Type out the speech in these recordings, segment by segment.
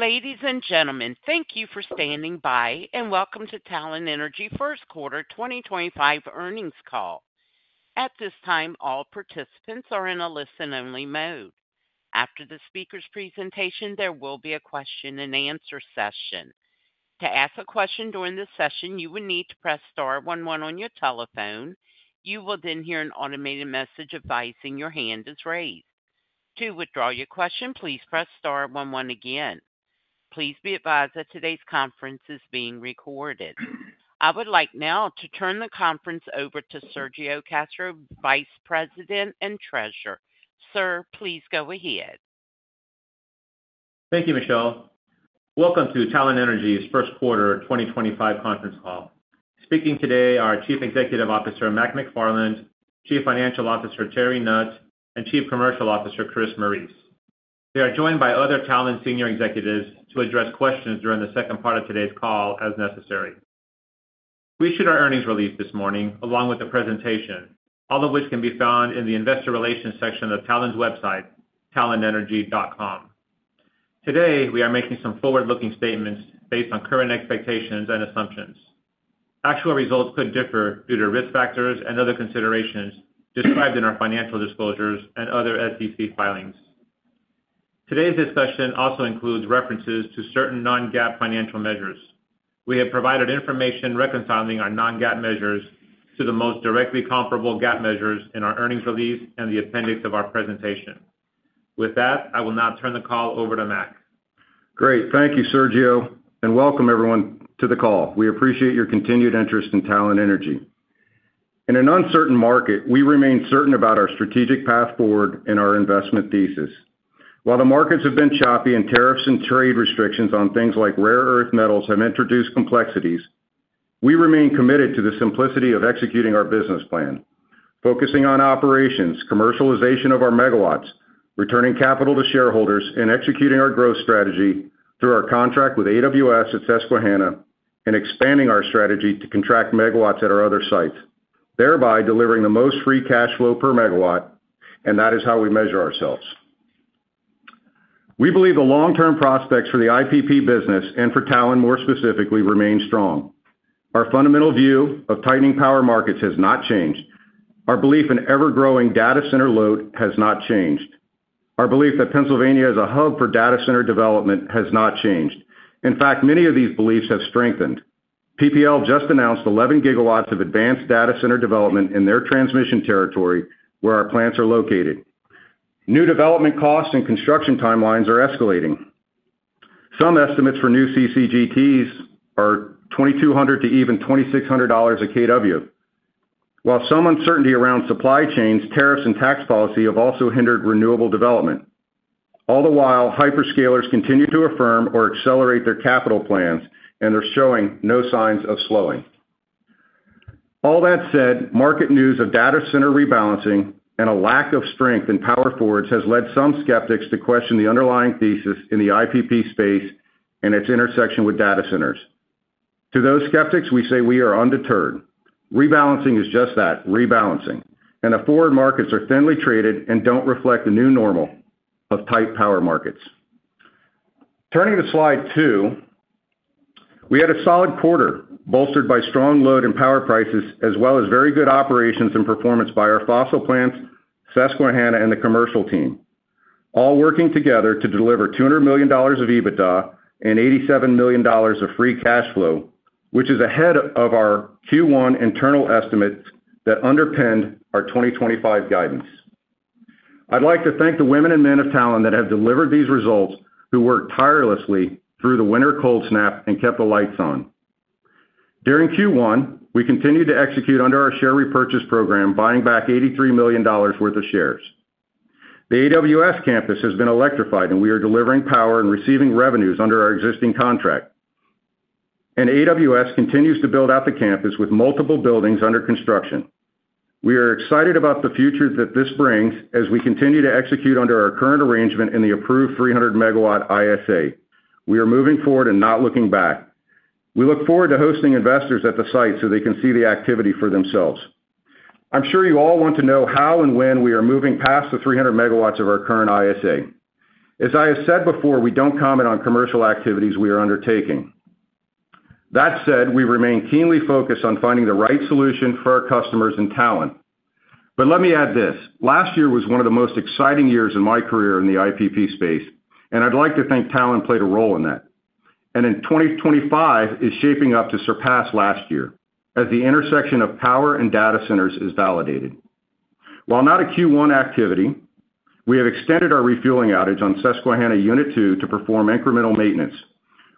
Ladies and gentlemen, thank you for standing by, and welcome to Talen Energy First Quarter 2025 earnings call. At this time, all participants are in a listen-only mode. After the speaker's presentation, there will be a question-and-answer session. To ask a question during this session, you will need to press star 11 on your telephone. You will then hear an automated message advising your hand is raised. To withdraw your question, please press star 11 again. Please be advised that today's conference is being recorded. I would like now to turn the conference over to Sergio Castro, Vice President and Treasurer. Sir, please go ahead. Thank you, Michelle. Welcome to Talen Energy's First Quarter 2025 conference call. Speaking today are Chief Executive Officer Mac McFarland, Chief Financial Officer Terry Nutt, and Chief Commercial Officer Chris Morice. They are joined by other Talen senior executives to address questions during the second part of today's call as necessary. We issued our earnings release this morning, along with the presentation, all of which can be found in the investor relations section of Talen's website, talenenergy.com. Today, we are making some forward-looking statements based on current expectations and assumptions. Actual results could differ due to risk factors and other considerations described in our financial disclosures and other SEC filings. Today's discussion also includes references to certain non-GAAP financial measures. We have provided information reconciling our non-GAAP measures to the most directly comparable GAAP measures in our earnings release and the appendix of our presentation. With that, I will now turn the call over to Mac. Great. Thank you, Sergio, and welcome everyone to the call. We appreciate your continued interest in Talen Energy. In an uncertain market, we remain certain about our strategic path forward and our investment thesis. While the markets have been choppy and tariffs and trade restrictions on things like rare earth metals have introduced complexities, we remain committed to the simplicity of executing our business plan, focusing on operations, commercialization of our megawatts, returning capital to shareholders, and executing our growth strategy through our contract with AWS at Susquehanna and expanding our strategy to contract megawatts at our other sites, thereby delivering the most free cash flow per megawatt, and that is how we measure ourselves. We believe the long-term prospects for the IPP business and for Talen, more specifically, remain strong. Our fundamental view of tightening power markets has not changed. Our belief in ever-growing data center load has not changed. Our belief that Pennsylvania is a hub for data center development has not changed. In fact, many of these beliefs have strengthened. PPL just announced 11 GW of advanced data center development in their transmission territory where our plants are located. New development costs and construction timelines are escalating. Some estimates for new CCGTs are $2,200 to even $2,600 a kW, while some uncertainty around supply chains, tariffs, and tax policy have also hindered renewable development. All the while, hyperscalers continue to affirm or accelerate their capital plans, and they're showing no signs of slowing. All that said, market news of data center rebalancing and a lack of strength in power forwards has led some skeptics to question the underlying thesis in the IPP space and its intersection with data centers. To those skeptics, we say we are undeterred. Rebalancing is just that: rebalancing, and the forward markets are thinly traded and don't reflect the new normal of tight power markets. Turning to slide two, we had a solid quarter bolstered by strong load and power prices, as well as very good operations and performance by our fossil plants, Susquehanna, and the commercial team, all working together to deliver $200 million of EBITDA and $87 million of free cash flow, which is ahead of our Q1 internal estimates that underpinned our 2025 guidance. I'd like to thank the women and men of Talen that have delivered these results, who worked tirelessly through the winter cold snap and kept the lights on. During Q1, we continued to execute under our share repurchase program, buying back $83 million worth of shares. The AWS Campus has been electrified, and we are delivering power and receiving revenues under our existing contract. AWS continues to build out the campus with multiple buildings under construction. We are excited about the future that this brings as we continue to execute under our current arrangement in the approved 300-megawatt ISA. We are moving forward and not looking back. We look forward to hosting investors at the site so they can see the activity for themselves. I'm sure you all want to know how and when we are moving past the 300 megawatts of our current ISA. As I have said before, we don't comment on commercial activities we are undertaking. That said, we remain keenly focused on finding the right solution for our customers and Talen. But let me add this: last year was one of the most exciting years in my career in the IPP space, and I'd like to say that Talen played a role in that. And in 2025 is shaping up to surpass last year as the intersection of power and data centers is validated. While not a Q1 activity, we have extended our refueling outage on Susquehanna Unit 2 to perform incremental maintenance.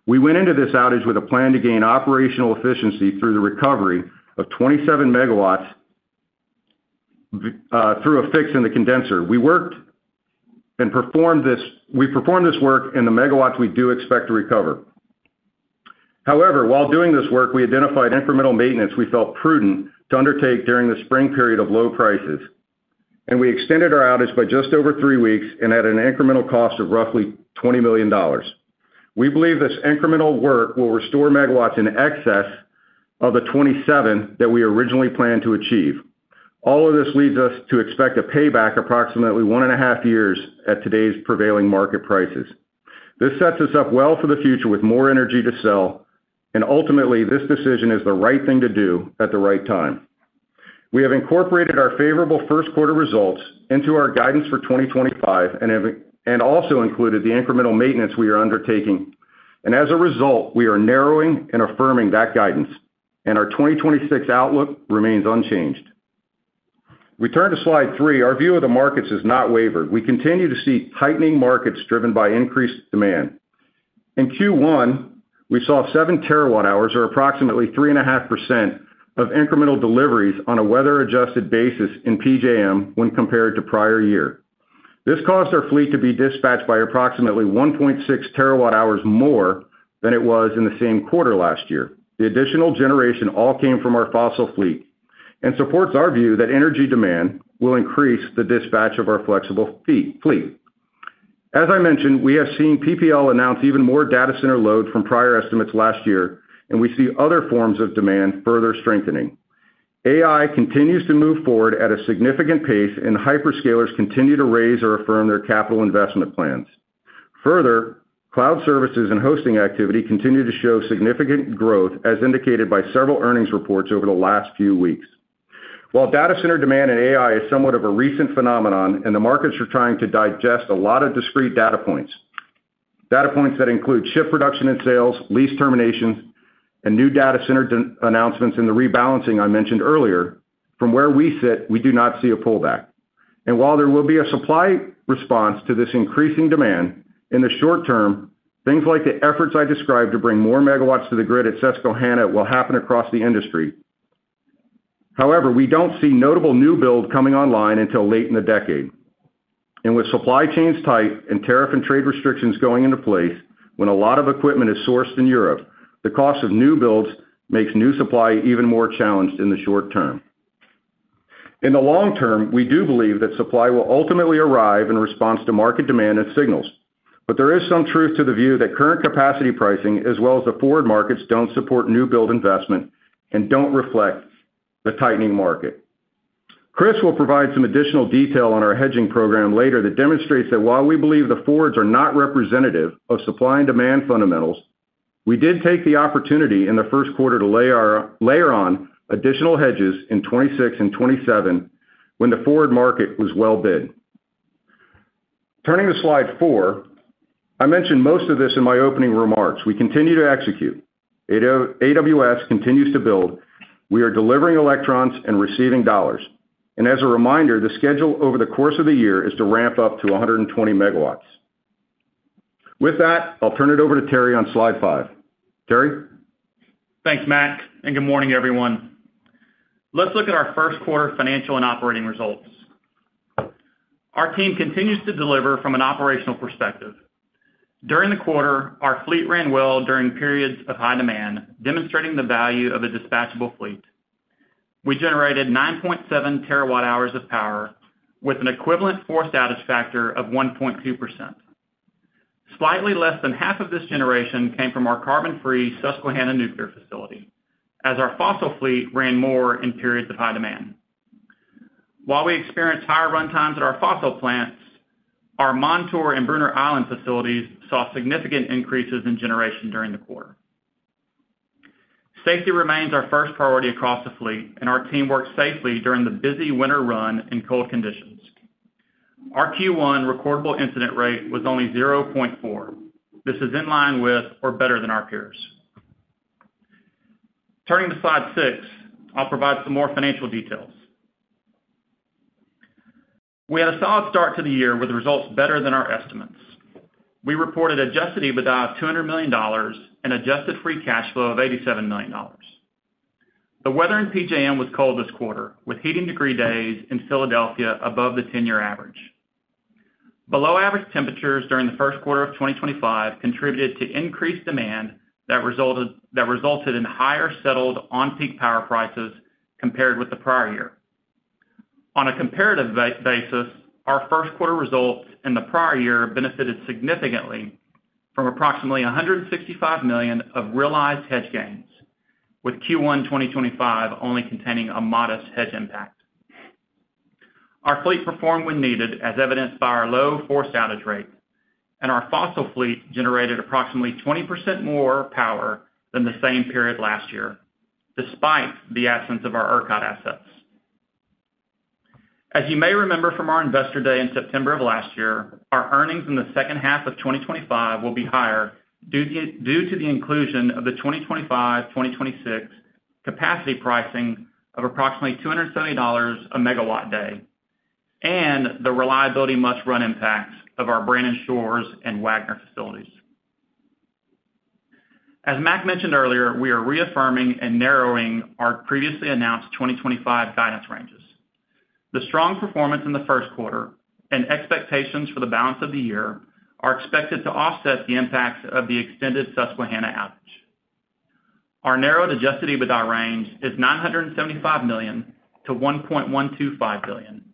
We went into this outage with a plan to gain operational efficiency through the recovery of 27 MW through a fix in the condenser. We worked and performed this work. In the MW we do expect to recover. However, while doing this work, we identified incremental maintenance we felt prudent to undertake during the spring period of low prices, and we extended our outage by just over three weeks and at an incremental cost of roughly $20 million. We believe this incremental work will restore megawatts in excess of the 27 that we originally planned to achieve. All of this leads us to expect a payback approximately one and a half years at today's prevailing market prices. This sets us up well for the future with more energy to sell, and ultimately, this decision is the right thing to do at the right time. We have incorporated our favorable first quarter results into our guidance for 2025 and also included the incremental maintenance we are undertaking, and as a result, we are narrowing and affirming that guidance, and our 2026 outlook remains unchanged. We turn to slide three. Our view of the markets is not wavered. We continue to see tightening markets driven by increased demand. In Q1, we saw 7 terawatt hours, or approximately 3.5%, of incremental deliveries on a weather-adjusted basis in PJM when compared to prior year. This caused our fleet to be dispatched by approximately 1.6 terawatt hours more than it was in the same quarter last year. The additional generation all came from our fossil fleet and supports our view that energy demand will increase the dispatch of our flexible fleet. As I mentioned, we have seen PPL announce even more data center load from prior estimates last year, and we see other forms of demand further strengthening. AI continues to move forward at a significant pace, and hyperscalers continue to raise or affirm their capital investment plans. Further, cloud services and hosting activity continue to show significant growth, as indicated by several earnings reports over the last few weeks. While data center demand and AI is somewhat of a recent phenomenon, and the markets are trying to digest a lot of discrete data points, data points that include ship production and sales, lease terminations, and new data center announcements in the rebalancing I mentioned earlier, from where we sit, we do not see a pullback. And while there will be a supply response to this increasing demand, in the short term, things like the efforts I described to bring more megawatts to the grid at Susquehanna will happen across the industry. However, we don't see notable new build coming online until late in the decade. And with supply chains tight and tariff and trade restrictions going into place when a lot of equipment is sourced in Europe, the cost of new builds makes new supply even more challenged in the short term. In the long term, we do believe that supply will ultimately arrive in response to market demand and signals. But there is some truth to the view that current capacity pricing, as well as the forward markets, don't support new build investment and don't reflect the tightening market. Chris will provide some additional detail on our hedging program later that demonstrates that while we believe the forwards are not representative of supply and demand fundamentals, we did take the opportunity in the first quarter to layer on additional hedges in 2026 and 2027 when the forward market was well bid. Turning to slide four, I mentioned most of this in my opening remarks. We continue to execute. AWS continues to build. We are delivering electrons and receiving dollars. And as a reminder, the schedule over the course of the year is to ramp up to 120 MW. With that, I'll turn it over to Terry on slide five. Terry. Thanks, Mac, and good morning, everyone. Let's look at our first quarter financial and operating results. Our team continues to deliver from an operational perspective. During the quarter, our fleet ran well during periods of high demand, demonstrating the value of a dispatchable fleet. We generated 9.7 terawatt hours of power with an equivalent forced outage factor of 1.2%. Slightly less than half of this generation came from our carbon-free Susquehanna nuclear facility, as our fossil fleet ran more in periods of high demand. While we experienced higher runtimes at our fossil plants, our Montour and Brunner Island facilities saw significant increases in generation during the quarter. Safety remains our first priority across the fleet, and our team worked safely during the busy winter run in cold conditions. Our Q1 recordable incident rate was only 0.4. This is in line with or better than our peers. Turning to slide six, I'll provide some more financial details. We had a solid start to the year with results better than our estimates. We reported an adjusted EBITDA of $200 million and adjusted free cash flow of $87 million. The weather in PJM was cold this quarter, with heating degree days in Philadelphia above the 10-year average. Below-average temperatures during the first quarter of 2025 contributed to increased demand that resulted in higher settled on-peak power prices compared with the prior year. On a comparative basis, our first quarter results in the prior year benefited significantly from approximately $165 million of realized hedge gains, with Q1 2025 only containing a modest hedge impact. Our fleet performed when needed, as evidenced by our low forced outage rate, and our fossil fleet generated approximately 20% more power than the same period last year, despite the absence of our ERCOT assets. As you may remember from our investor day in September of last year, our earnings in the second half of 2025 will be higher due to the inclusion of the 2025-2026 capacity pricing of approximately $270 a megawatt day and the Reliability Must-Run impacts of our Brandon Shores and Wagner facilities. As Mac mentioned earlier, we are reaffirming and narrowing our previously announced 2025 guidance ranges. The strong performance in the first quarter and expectations for the balance of the year are expected to offset the impacts of the extended Susquehanna outage. Our narrowed Adjusted EBITDA range is $975 million-$1.125 million,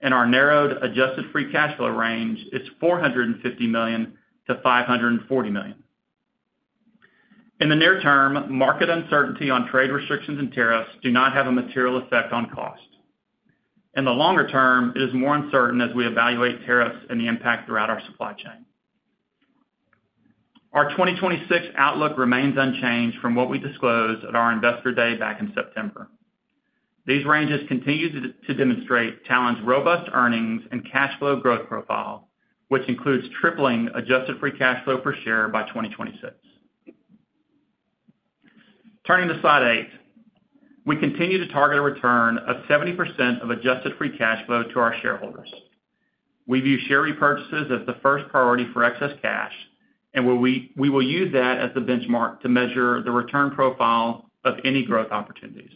and our narrowed adjusted free cash flow range is $450 million-$540 million. In the near term, market uncertainty on trade restrictions and tariffs do not have a material effect on cost. In the longer term, it is more uncertain as we evaluate tariffs and the impact throughout our supply chain. Our 2026 outlook remains unchanged from what we disclosed at our investor day back in September. These ranges continue to demonstrate Talen's robust earnings and cash flow growth profile, which includes tripling adjusted free cash flow per share by 2026. Turning to slide eight, we continue to target a return of 70% of adjusted free cash flow to our shareholders. We view share repurchases as the first priority for excess cash, and we will use that as the benchmark to measure the return profile of any growth opportunities.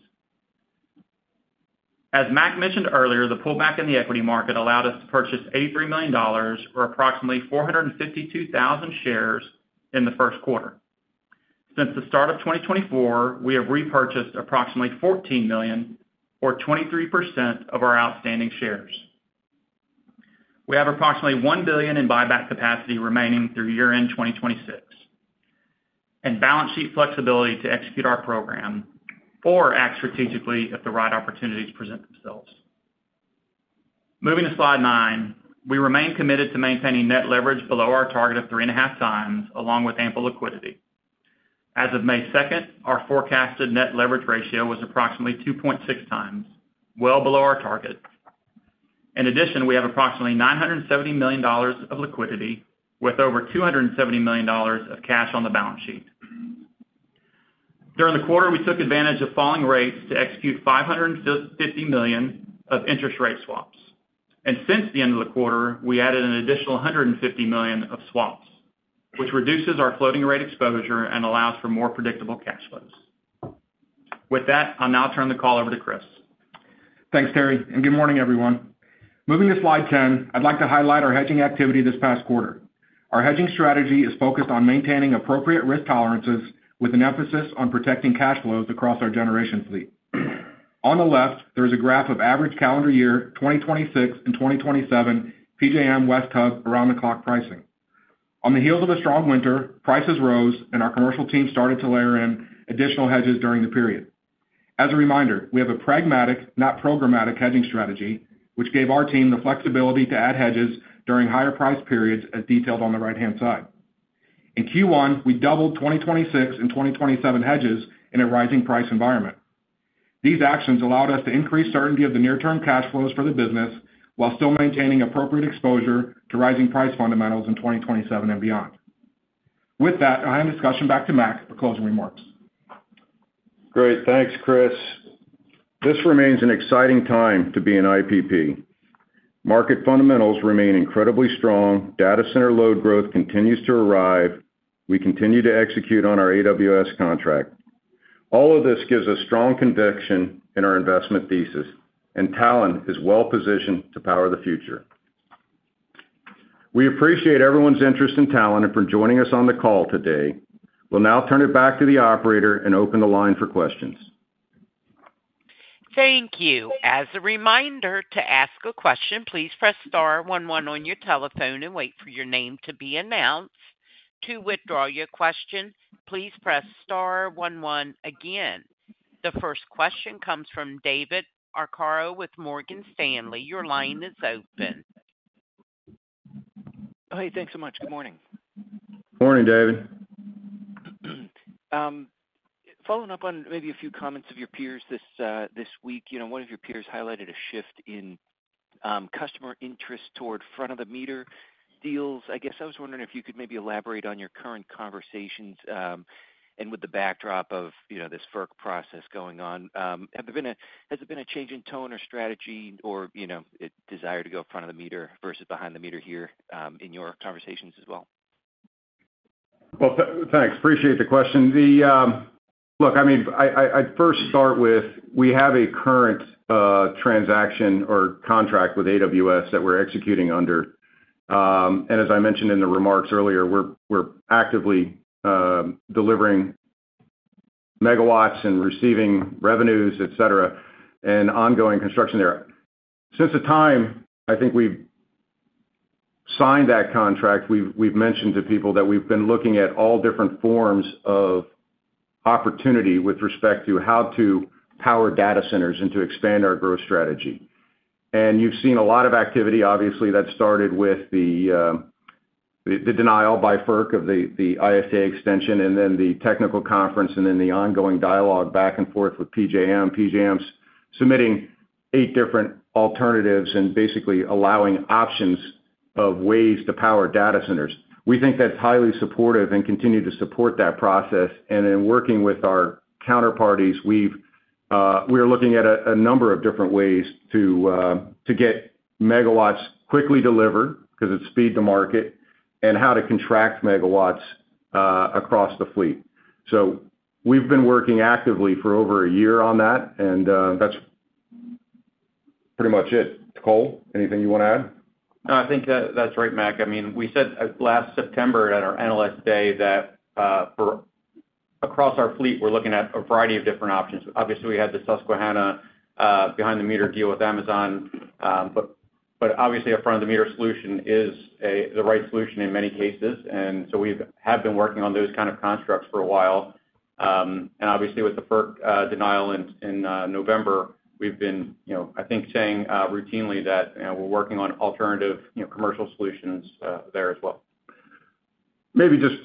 As Mac mentioned earlier, the pullback in the equity market allowed us to purchase $83 million, or approximately 452,000 shares in the first quarter. Since the start of 2024, we have repurchased approximately $14 million, or 23% of our outstanding shares. We have approximately $1 billion in buyback capacity remaining through year-end 2026 and balance sheet flexibility to execute our program or act strategically if the right opportunities present themselves. Moving to slide nine, we remain committed to maintaining net leverage below our target of three and a half times, along with ample liquidity. As of May 2nd, our forecasted net leverage ratio was approximately 2.6 times, well below our target. In addition, we have approximately $970 million of liquidity with over $270 million of cash on the balance sheet. During the quarter, we took advantage of falling rates to execute $550 million of interest rate swaps, and since the end of the quarter, we added an additional $150 million of swaps, which reduces our floating rate exposure and allows for more predictable cash flows. With that, I'll now turn the call over to Chris. Thanks, Terry, and good morning, everyone. Moving to slide 10, I'd like to highlight our hedging activity this past quarter. Our hedging strategy is focused on maintaining appropriate risk tolerances with an emphasis on protecting cash flows across our generation fleet. On the left, there is a graph of average calendar year 2026 and 2027 PJM West Hub around-the-clock pricing. On the heels of a strong winter, prices rose, and our commercial team started to layer in additional hedges during the period. As a reminder, we have a pragmatic, not programmatic hedging strategy, which gave our team the flexibility to add hedges during higher price periods as detailed on the right-hand side. In Q1, we doubled 2026 and 2027 hedges in a rising price environment. These actions allowed us to increase certainty of the near-term cash flows for the business while still maintaining appropriate exposure to rising price fundamentals in 2027 and beyond. With that, I'll hand discussion back to Mac for closing remarks. Great. Thanks, Chris. This remains an exciting time to be in IPP. Market fundamentals remain incredibly strong. Data center load growth continues to arrive. We continue to execute on our AWS contract. All of this gives a strong conviction in our investment thesis, and Talen is well positioned to power the future. We appreciate everyone's interest in Talen and for joining us on the call today. We'll now turn it back to the operator and open the line for questions. Thank you. As a reminder, to ask a question, please press star 11 on your telephone and wait for your name to be announced. To withdraw your question, please press star 11 again. The first question comes from David Arcaro with Morgan Stanley. Your line is open. Hi. Thanks so much. Good morning. Morning, David. Following up on maybe a few comments of your peers this week, one of your peers highlighted a shift in customer interest toward front-of-the-meter deals. I guess I was wondering if you could maybe elaborate on your current conversations and with the backdrop of this FERC process going on? Has there been a change in tone or strategy or desire to go front-of-the-meter versus behind-the-meter here in your conversations as well? Thanks. Appreciate the question. Look, I mean, I'd first start with we have a current transaction or contract with AWS that we're executing under. And as I mentioned in the remarks earlier, we're actively delivering megawatts and receiving revenues, etc., and ongoing construction there. Since the time I think we signed that contract, we've mentioned to people that we've been looking at all different forms of opportunity with respect to how to power data centers and to expand our growth strategy. And you've seen a lot of activity, obviously, that started with the denial by FERC of the ISA extension, and then the technical conference, and then the ongoing dialogue back and forth with PJM. PJM's submitting eight different alternatives and basically allowing options of ways to power data centers. We think that's highly supportive and continue to support that process. In working with our counterparties, we are looking at a number of different ways to get megawatts quickly delivered because it's speed to market and how to contract megawatts across the fleet. So we've been working actively for over a year on that, and that's pretty much it. Cole, anything you want to add? No, I think that's right, Mac. I mean, we said last September at our analyst day that across our fleet, we're looking at a variety of different options. Obviously, we had the Susquehanna behind-the-meter deal with Amazon, but obviously, a front-of-the-meter solution is the right solution in many cases. And so we have been working on those kind of constructs for a while. And obviously, with the FERC denial in November, we've been, I think, saying routinely that we're working on alternative commercial solutions there as well. Maybe just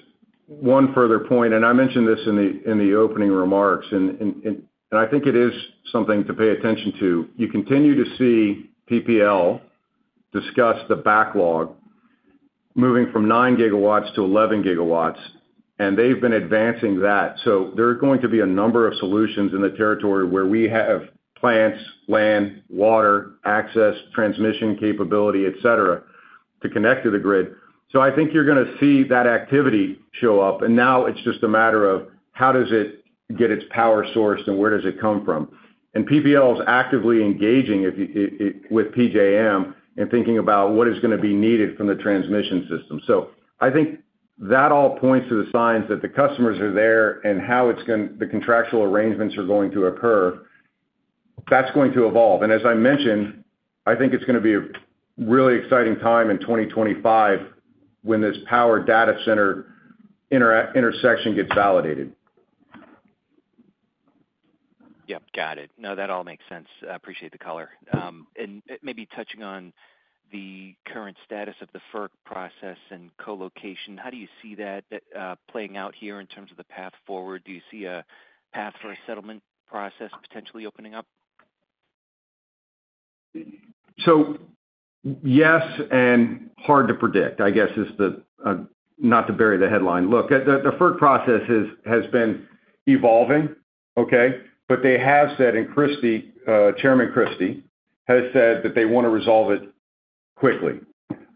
one further point, and I mentioned this in the opening remarks, and I think it is something to pay attention to. You continue to see PPL discuss the backlog moving from nine gigawatts to 11 gigawatts, and they've been advancing that. So there are going to be a number of solutions in the territory where we have plants, land, water, access, transmission capability, etc., to connect to the grid. So I think you're going to see that activity show up. And now it's just a matter of how does it get its power sourced and where does it come from? And PPL is actively engaging with PJM and thinking about what is going to be needed from the transmission system. So I think that all points to the signs that the customers are there and how the contractual arrangements are going to occur. That's going to evolve. As I mentioned, I think it's going to be a really exciting time in 2025 when this power data center intersection gets validated. Yep. Got it. No, that all makes sense. Appreciate the color. And maybe touching on the current status of the FERC process and colocation, how do you see that playing out here in terms of the path forward? Do you see a path for a settlement process potentially opening up? So, yes, and hard to predict, I guess, is not to bury the headline. Look, the FERC process has been evolving, okay? But they have said, and Chairman Christie has said, that they want to resolve it quickly.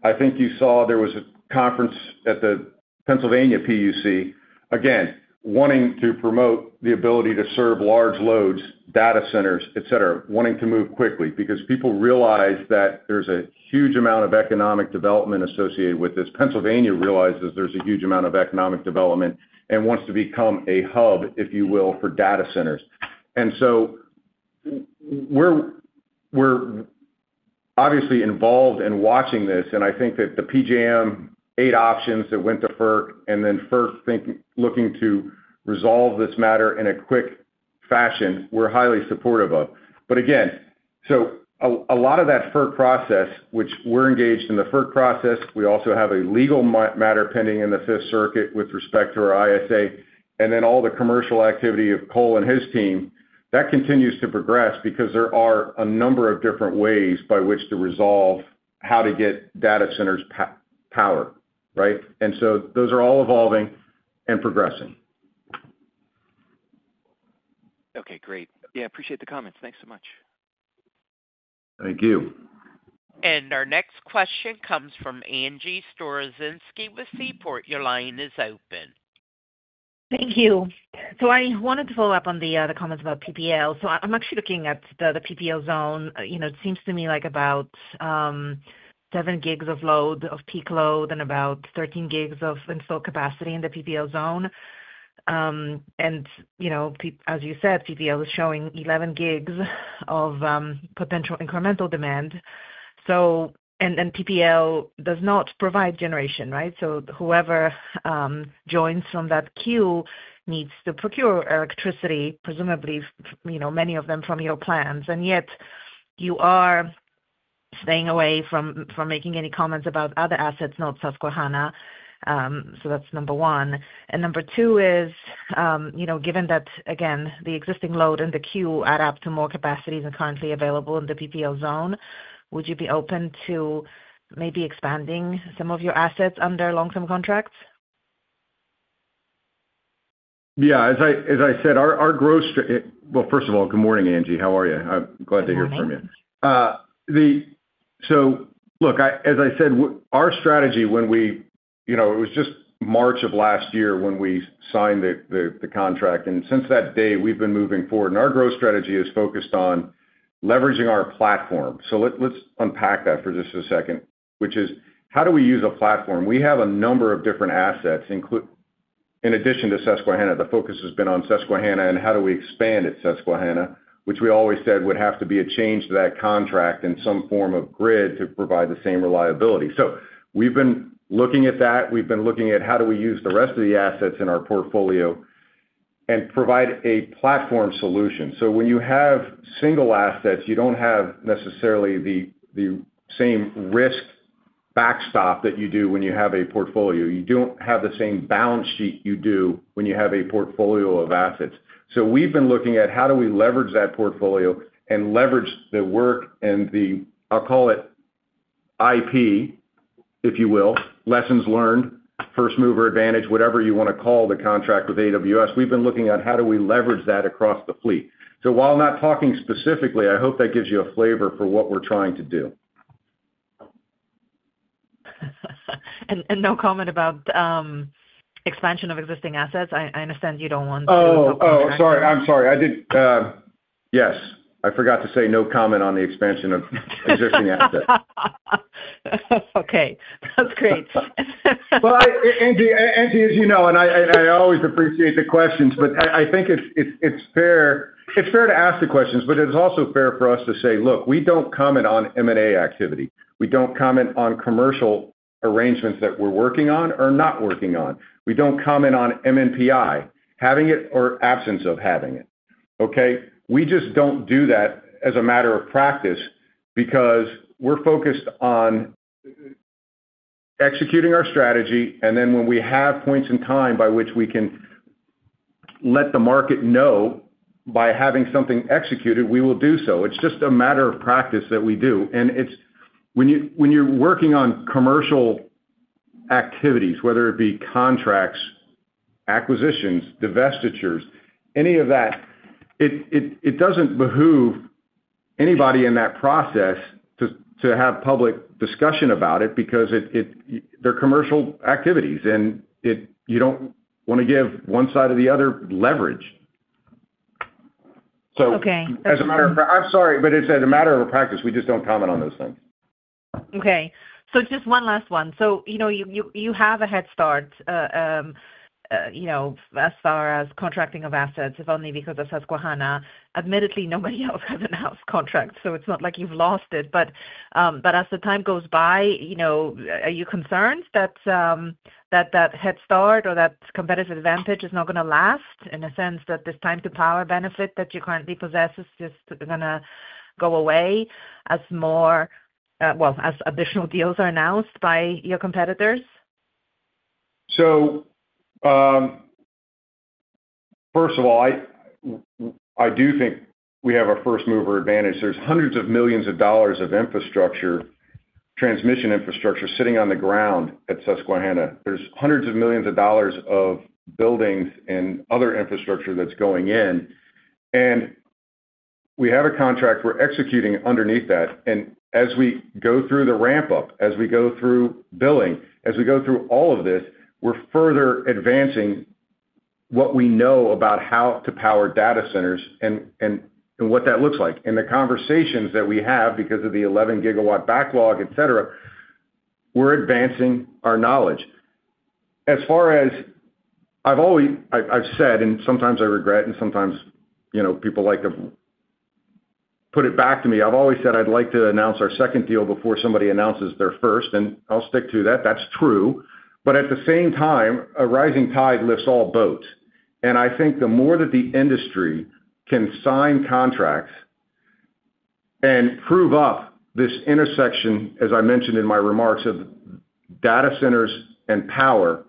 I think you saw there was a conference at the Pennsylvania PUC, again, wanting to promote the ability to serve large loads, data centers, etc., wanting to move quickly because people realize that there's a huge amount of economic development associated with this. Pennsylvania realizes there's a huge amount of economic development and wants to become a hub, if you will, for data centers. And so we're obviously involved in watching this, and I think that the PJM's eight options that went to FERC, and then FERC looking to resolve this matter in a quick fashion. We're highly supportive of. But again, so a lot of that FERC process, which we're engaged in the FERC process. We also have a legal matter pending in the Fifth Circuit with respect to our ISA, and then all the commercial activity of Cole and his team, that continues to progress because there are a number of different ways by which to resolve how to get data centers powered, right? And so those are all evolving and progressing. Okay. Great. Yeah. Appreciate the comments. Thanks so much. Thank you. Our next question comes from Angie Storozinski with Seaport. Your line is open. Thank you. So I wanted to follow up on the comments about PPL. So I'm actually looking at the PPL zone. It seems to me like about seven gigs of peak load and about 13 gigs of installed capacity in the PPL zone. And as you said, PPL is showing 11 gigs of potential incremental demand. And PPL does not provide generation, right? So whoever joins from that queue needs to procure electricity, presumably many of them from your plants. And yet you are staying away from making any comments about other assets, not Susquehanna. So that's number one. And number two is, given that, again, the existing load and the queue add up to more capacity than currently available in the PPL zone, would you be open to maybe expanding some of your assets under long-term contracts? Yeah. As I said, our growth. Well, first of all, good morning, Angie. How are you? I'm glad to hear from you. So look, as I said, our strategy when we. It was just March of last year when we signed the contract. And since that day, we've been moving forward. And our growth strategy is focused on leveraging our platform. So let's unpack that for just a second, which is how do we use a platform? We have a number of different assets. In addition to Susquehanna, the focus has been on Susquehanna and how do we expand at Susquehanna, which we always said would have to be a change to that contract in some form of grid to provide the same reliability. So we've been looking at that. We've been looking at how do we use the rest of the assets in our portfolio and provide a platform solution. So when you have single assets, you don't have necessarily the same risk backstop that you do when you have a portfolio. You don't have the same balance sheet you do when you have a portfolio of assets. So we've been looking at how do we leverage that portfolio and leverage the work and the, I'll call it IP, if you will, lessons learned, first mover advantage, whatever you want to call the contract with AWS. We've been looking at how do we leverage that across the fleet. So while I'm not talking specifically, I hope that gives you a flavor for what we're trying to do. And no comment about expansion of existing assets. I understand you don't want to... Oh, sorry. I'm sorry. Yes. I forgot to say no comment on the expansion of existing assets. Okay. That's great. Well, Angie, as you know, and I always appreciate the questions, but I think it's fair to ask the questions, but it's also fair for us to say, "Look, we don't comment on M&A activity. We don't comment on commercial arrangements that we're working on or not working on. We don't comment on MNPI, having it or absence of having it." Okay? We just don't do that as a matter of practice because we're focused on executing our strategy. And then when we have points in time by which we can let the market know by having something executed, we will do so. It's just a matter of practice that we do. When you're working on commercial activities, whether it be contracts, acquisitions, divestitures, any of that, it doesn't behoove anybody in that process to have public discussion about it because they're commercial activities, and you don't want to give one side or the other leverage. So as a matter of. I'm sorry, but it's a matter of practice. We just don't comment on those things. Okay. So just one last one. So you have a head start as far as contracting of assets, if only because of Susquehanna. Admittedly, nobody else has a house contract, so it's not like you've lost it. But as the time goes by, are you concerned that that head start or that competitive advantage is not going to last in a sense that this time-to-power benefit that you currently possess is just going to go away as additional deals are announced by your competitors? First of all, I do think we have a first mover advantage. There's hundreds of millions of dollars of infrastructure, transmission infrastructure sitting on the ground at Susquehanna. There's hundreds of millions of dollars of buildings and other infrastructure that's going in. We have a contract we're executing underneath that. As we go through the ramp-up, as we go through billing, as we go through all of this, we're further advancing what we know about how to power data centers and what that looks like. The conversations that we have because of the 11-GW backlog, etc., we're advancing our knowledge. As far as I've said, and sometimes I regret, and sometimes people like to put it back to me, I've always said I'd like to announce our second deal before somebody announces their first. I'll stick to that. That's true. But at the same time, a rising tide lifts all boats. And I think the more that the industry can sign contracts and prove up this intersection, as I mentioned in my remarks, of data centers and power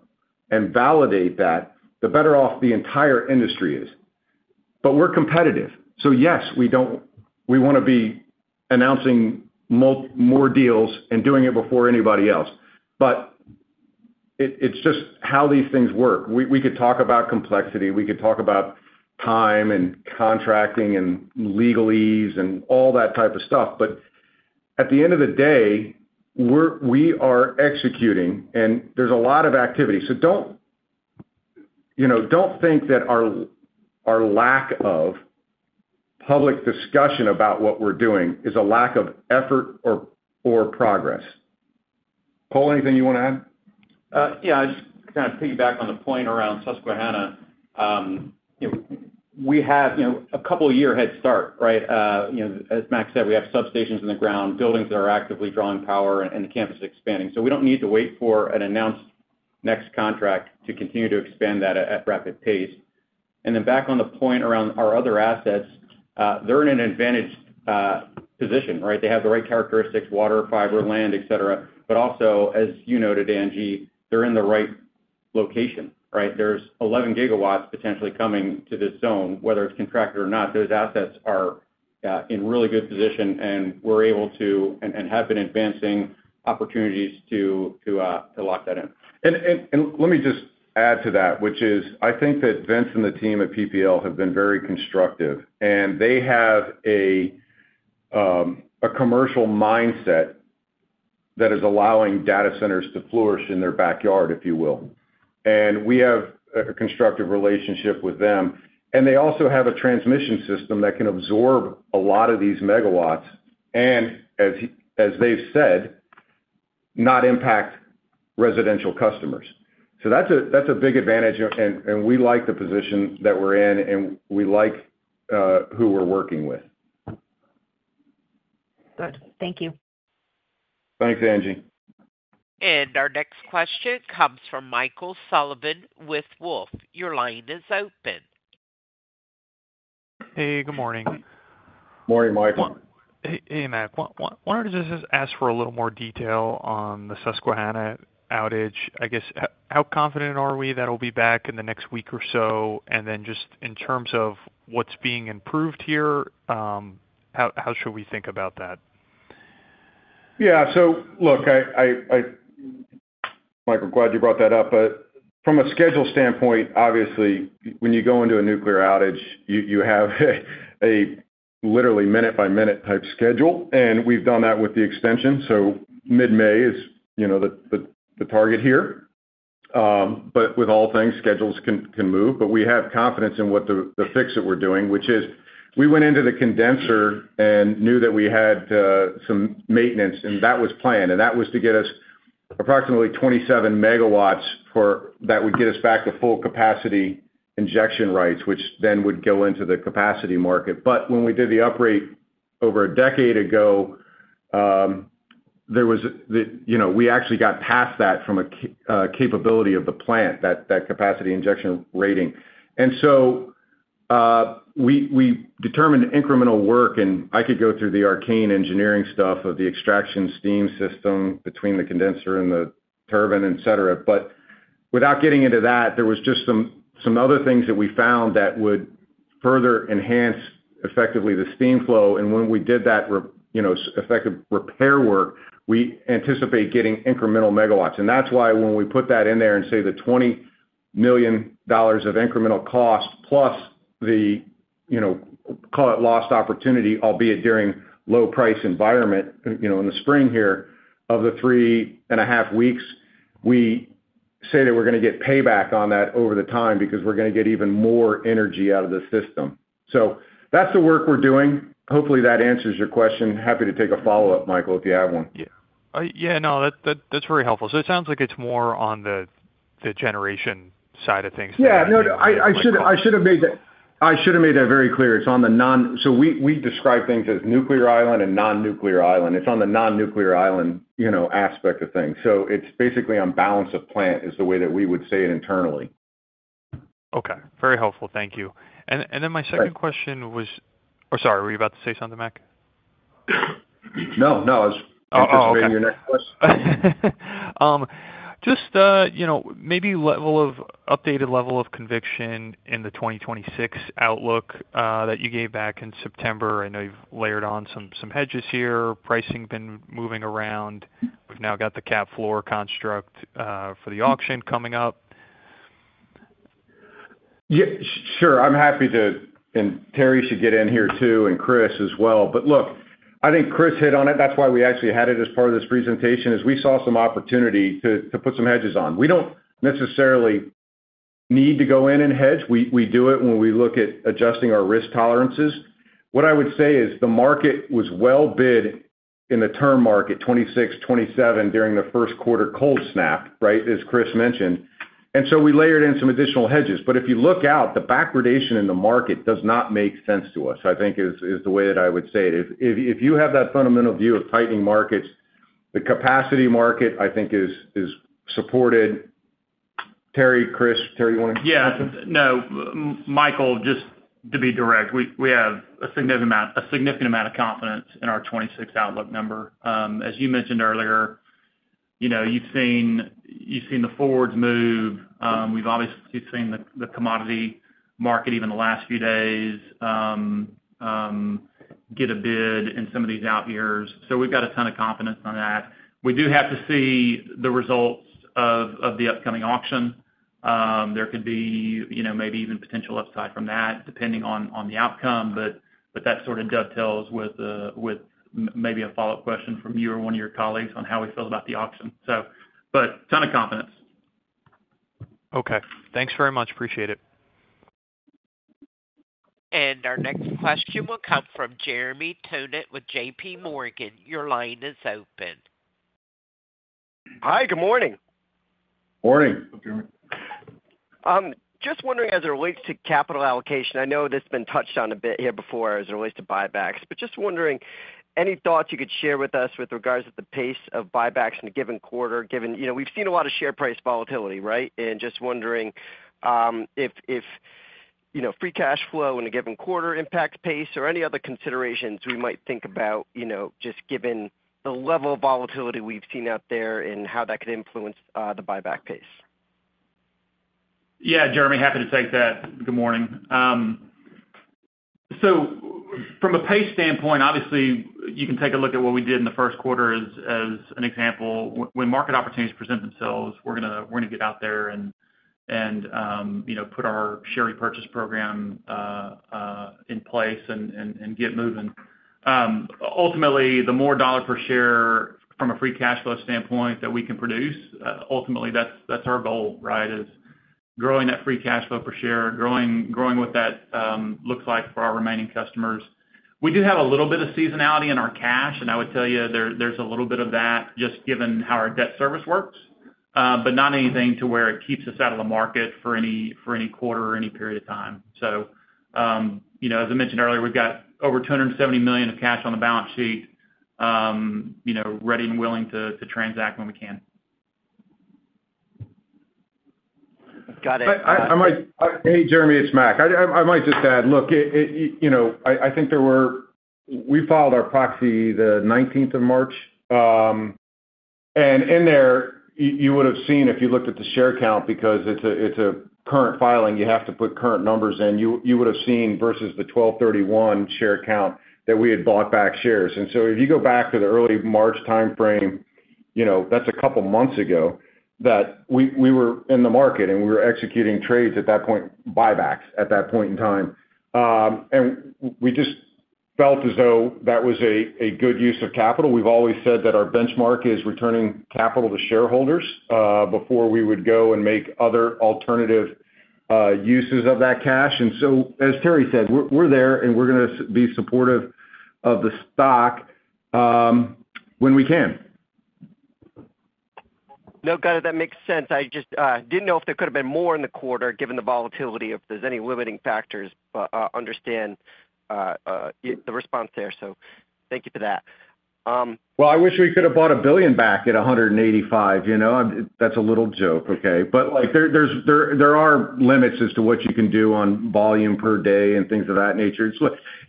and validate that, the better off the entire industry is. But we're competitive. So yes, we want to be announcing more deals and doing it before anybody else. But it's just how these things work. We could talk about complexity. We could talk about time and contracting and legalese and all that type of stuff. But at the end of the day, we are executing, and there's a lot of activity. So don't think that our lack of public discussion about what we're doing is a lack of effort or progress. Cole, anything you want to add? Yeah. Just kind of piggyback on the point around Susquehanna. We have a couple-year head start, right? As Mac said, we have substations in the ground, buildings that are actively drawing power, and the campus expanding. So we don't need to wait for an announced next contract to continue to expand that at rapid pace. And then back on the point around our other assets, they're in an advantaged position, right? They have the right characteristics: water, fiber, land, etc. But also, as you noted, Angie, they're in the right location, right? There's 11 gigawatts potentially coming to this zone, whether it's contracted or not. Those assets are in really good position, and we're able to and have been advancing opportunities to lock that in. And let me just add to that, which is, I think, that Vince and the team at PPL have been very constructive. And they have a commercial mindset that is allowing data centers to flourish in their backyard, if you will. And we have a constructive relationship with them. And they also have a transmission system that can absorb a lot of these megawatts and, as they've said, not impact residential customers. So that's a big advantage. And we like the position that we're in, and we like who we're working with. Good. Thank you. Thanks, Angie. Our next question comes from Michael Sullivan with Wolfe. Your line is open. Hey, good morning. Morning, Michael. Hey, Mac. I wanted to just ask for a little more detail on the Susquehanna outage. I guess, how confident are we that it'll be back in the next week or so? And then just in terms of what's being improved here, how should we think about that? Yeah. So look, I'm glad you brought that up. But from a schedule standpoint, obviously, when you go into a nuclear outage, you have a literally minute-by-minute type schedule. And we've done that with the extension. So mid-May is the target here. But with all things, schedules can move. But we have confidence in the fix that we're doing, which is we went into the condenser and knew that we had some maintenance, and that was planned. And that was to get us approximately 27 MW that would get us back to full capacity injection rates, which then would go into the capacity market. But when we did the uprate over a decade ago, we actually got past that from a capability of the plant, that capacity injection rating. And so we determined incremental work. I could go through the arcane engineering stuff of the extraction steam system between the condenser and the turbine, etc. Without getting into that, there were just some other things that we found that would further enhance effectively the steam flow. When we did that effective repair work, we anticipate getting incremental megawatts. That's why when we put that in there and say the $20 million of incremental cost plus the, call it lost opportunity, albeit during low-price environment in the spring here of the three and a half weeks, we say that we're going to get payback on that over the time because we're going to get even more energy out of the system. That's the work we're doing. Hopefully, that answers your question. Happy to take a follow-up, Michael, if you have one. Yeah. Yeah. No, that's very helpful. So it sounds like it's more on the generation side of things. Yeah. No, I should have made that very clear. It's on the non—so we describe things as nuclear island and non-nuclear island. It's on the non-nuclear island aspect of things. So it's basically on balance of plant is the way that we would say it internally. Okay. Very helpful. Thank you. And then my second question was, oh, sorry. Were you about to say something, Mac? No. No. I was just waiting on your next question. Just maybe updated level of conviction in the 2026 outlook that you gave back in September. I know you've layered on some hedges here. Pricing been moving around. We've now got the cap floor construct for the auction coming up. Yeah. Sure. I'm happy to, and Terry should get in here too and Chris as well. But look, I think Chris hit on it. That's why we actually had it as part of this presentation, is we saw some opportunity to put some hedges on. We don't necessarily need to go in and hedge. We do it when we look at adjusting our risk tolerances. What I would say is the market was well bid in the term market, 2026, 2027 during the first quarter cold snap, right, as Chris mentioned. And so we layered in some additional hedges. But if you look out, the backwardation in the market does not make sense to us, I think, is the way that I would say it. If you have that fundamental view of tightening markets, the capacity market, I think, is supported. Terry, Chris, Terry, you want to. Yeah. No. Michael, just to be direct, we have a significant amount of confidence in our 2026 outlook number. As you mentioned earlier, you've seen the forwards move. We've obviously seen the commodity market even the last few days get a bid in some of these out years. So we've got a ton of confidence on that. We do have to see the results of the upcoming auction. There could be maybe even potential upside from that, depending on the outcome. But that sort of dovetails with maybe a follow-up question from you or one of your colleagues on how we feel about the auction. But ton of confidence. Okay. Thanks very much. Appreciate it. Our next question will come from Jeremy Tonet with J.P. Morgan. Your line is open. Hi. Good morning. Morning. Just wondering as it relates to capital allocation. I know this has been touched on a bit here before as it relates to buybacks. But just wondering, any thoughts you could share with us with regards to the pace of buybacks in a given quarter? We've seen a lot of share price volatility, right? And just wondering if free cash flow in a given quarter impacts pace or any other considerations we might think about just given the level of volatility we've seen out there and how that could influence the buyback pace. Yeah. Jeremy, happy to take that. Good morning. So from a pace standpoint, obviously, you can take a look at what we did in the first quarter as an example. When market opportunities present themselves, we're going to get out there and put our share repurchase program in place and get moving. Ultimately, the more dollar per share from a free cash flow standpoint that we can produce, ultimately, that's our goal, right, is growing that free cash flow per share, growing what that looks like for our remaining customers. We do have a little bit of seasonality in our cash. And I would tell you there's a little bit of that just given how our debt service works, but not anything to where it keeps us out of the market for any quarter or any period of time. So as I mentioned earlier, we've got over $270 million of cash on the balance sheet, ready and willing to transact when we can. Got it. Hey, Jeremy. It's Mac. I might just add, look, I think we filed our proxy the 19th of March, and in there, you would have seen if you looked at the share count because it's a current filing. You have to put current numbers in. You would have seen versus the 1231 share count that we had bought back shares, and so if you go back to the early March timeframe, that's a couple of months ago that we were in the market, and we were executing trades at that point, buybacks at that point in time, and we just felt as though that was a good use of capital. We've always said that our benchmark is returning capital to shareholders before we would go and make other alternative uses of that cash. And so as Terry said, we're there, and we're going to be supportive of the stock when we can. No, got it. That makes sense. I just didn't know if there could have been more in the quarter given the volatility, if there's any limiting factors to understand the response there. So thank you for that. I wish we could have bought a billion back at 185. That's a little joke, okay? But there are limits as to what you can do on volume per day and things of that nature.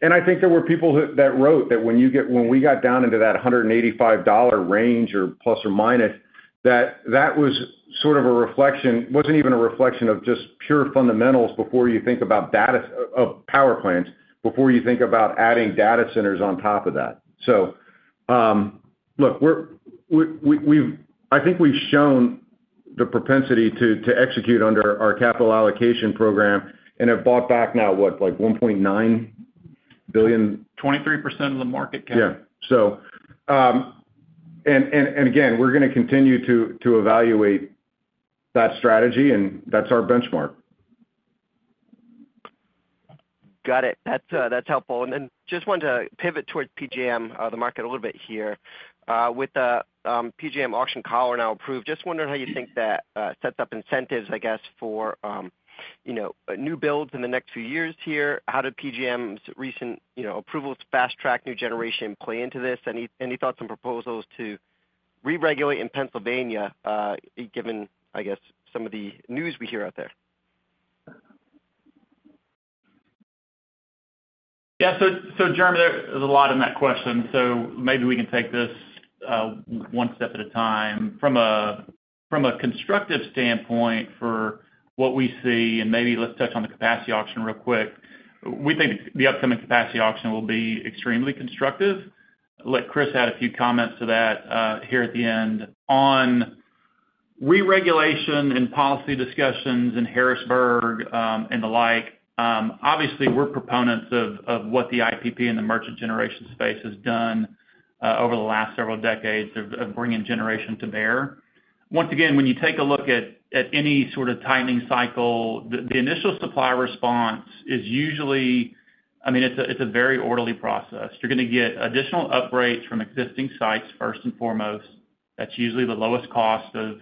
I think there were people that wrote that when we got down into that $185 range or plus or minus, that that was sort of a reflection, wasn't even a reflection of just pure fundamentals before you think about power plants, before you think about adding data centers on top of that. Look, I think we've shown the propensity to execute under our capital allocation program and have bought back now what, like $1.9 billion. 23% of the market cap. Yeah, and again, we're going to continue to evaluate that strategy, and that's our benchmark. Got it. That's helpful. And then just wanted to pivot towards PJM, the market a little bit here. With the PJM auction calendar now approved, just wondering how you think that sets up incentives, I guess, for new builds in the next few years here. How do PJM's recent approvals, fast-track new generation play into this? Any thoughts and proposals to re-regulate in Pennsylvania given, I guess, some of the news we hear out there? Yeah. So Jeremy, there's a lot in that question. So maybe we can take this one step at a time. From a constructive standpoint for what we see, and maybe let's touch on the capacity auction real quick, we think the upcoming capacity auction will be extremely constructive. Chris had a few comments to that here at the end on re-regulation and policy discussions in Harrisburg and the like. Obviously, we're proponents of what the IPP and the merchant generation space has done over the last several decades of bringing generation to bear. Once again, when you take a look at any sort of tightening cycle, the initial supply response is usually, I mean, it's a very orderly process. You're going to get additional upgrades from existing sites, first and foremost. That's usually the lowest cost of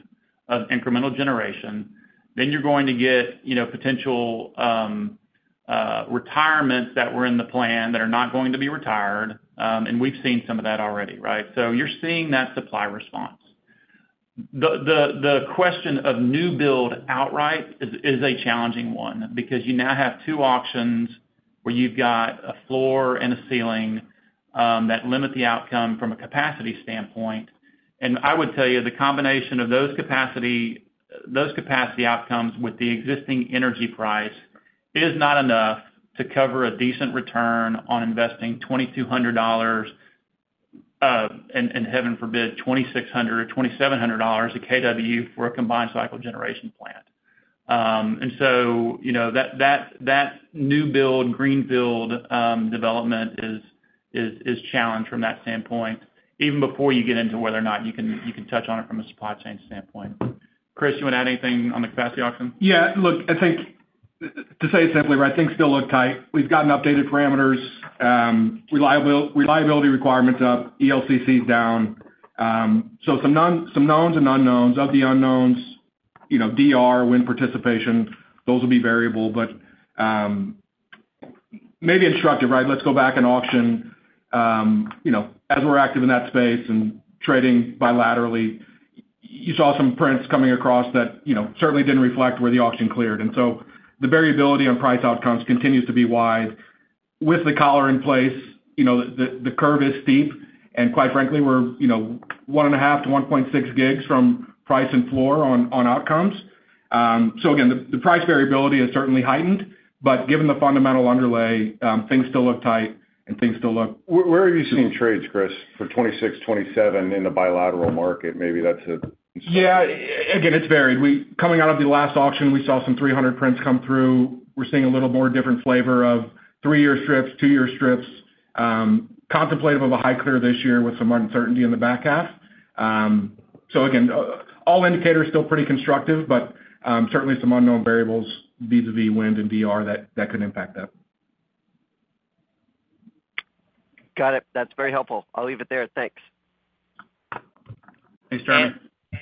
incremental generation. Then you're going to get potential retirements that were in the plan that are not going to be retired. And we've seen some of that already, right? So you're seeing that supply response. The question of new build outright is a challenging one because you now have two auctions where you've got a floor and a ceiling that limit the outcome from a capacity standpoint. And I would tell you the combination of those capacity outcomes with the existing energy price is not enough to cover a decent return on investing $2,200 and, heaven forbid, $2,600 or $2,700 at kW for a combined cycle generation plant. And so that new build, green build development is challenged from that standpoint, even before you get into whether or not you can touch on it from a supply chain standpoint. Chris, you want to add anything on the capacity auction? Yeah. Look, I think to say it simply, right? Things still look tight. We've gotten updated parameters, reliability requirements up, ELCCs down. So some knowns and unknowns. Of the unknowns, DR, wind participation, those will be variable. But maybe instructive, right? Let's go back and auction. As we're active in that space and trading bilaterally, you saw some prints coming across that certainly didn't reflect where the auction cleared. And so the variability on price outcomes continues to be wide. With the collar in place, the curve is steep. And quite frankly, we're 1.5-1.6 gigs from price in floor on outcomes. So again, the price variability is certainly heightened. But given the fundamental underlay, things still look tight and things still look. Where are you seeing trades, Chris, for 2026, 2027 in the bilateral market? Maybe that's a. Yeah. Again, it's varied. Coming out of the last auction, we saw some 300 prints come through. We're seeing a little more different flavor of three-year strips, two-year strips, contemplative of a high clear this year with some uncertainty in the back half. So again, all indicators still pretty constructive, but certainly some unknown variables vis-à-vis wind and DR that could impact that. Got it. That's very helpful. I'll leave it there. Thanks. Thanks, Jeremy.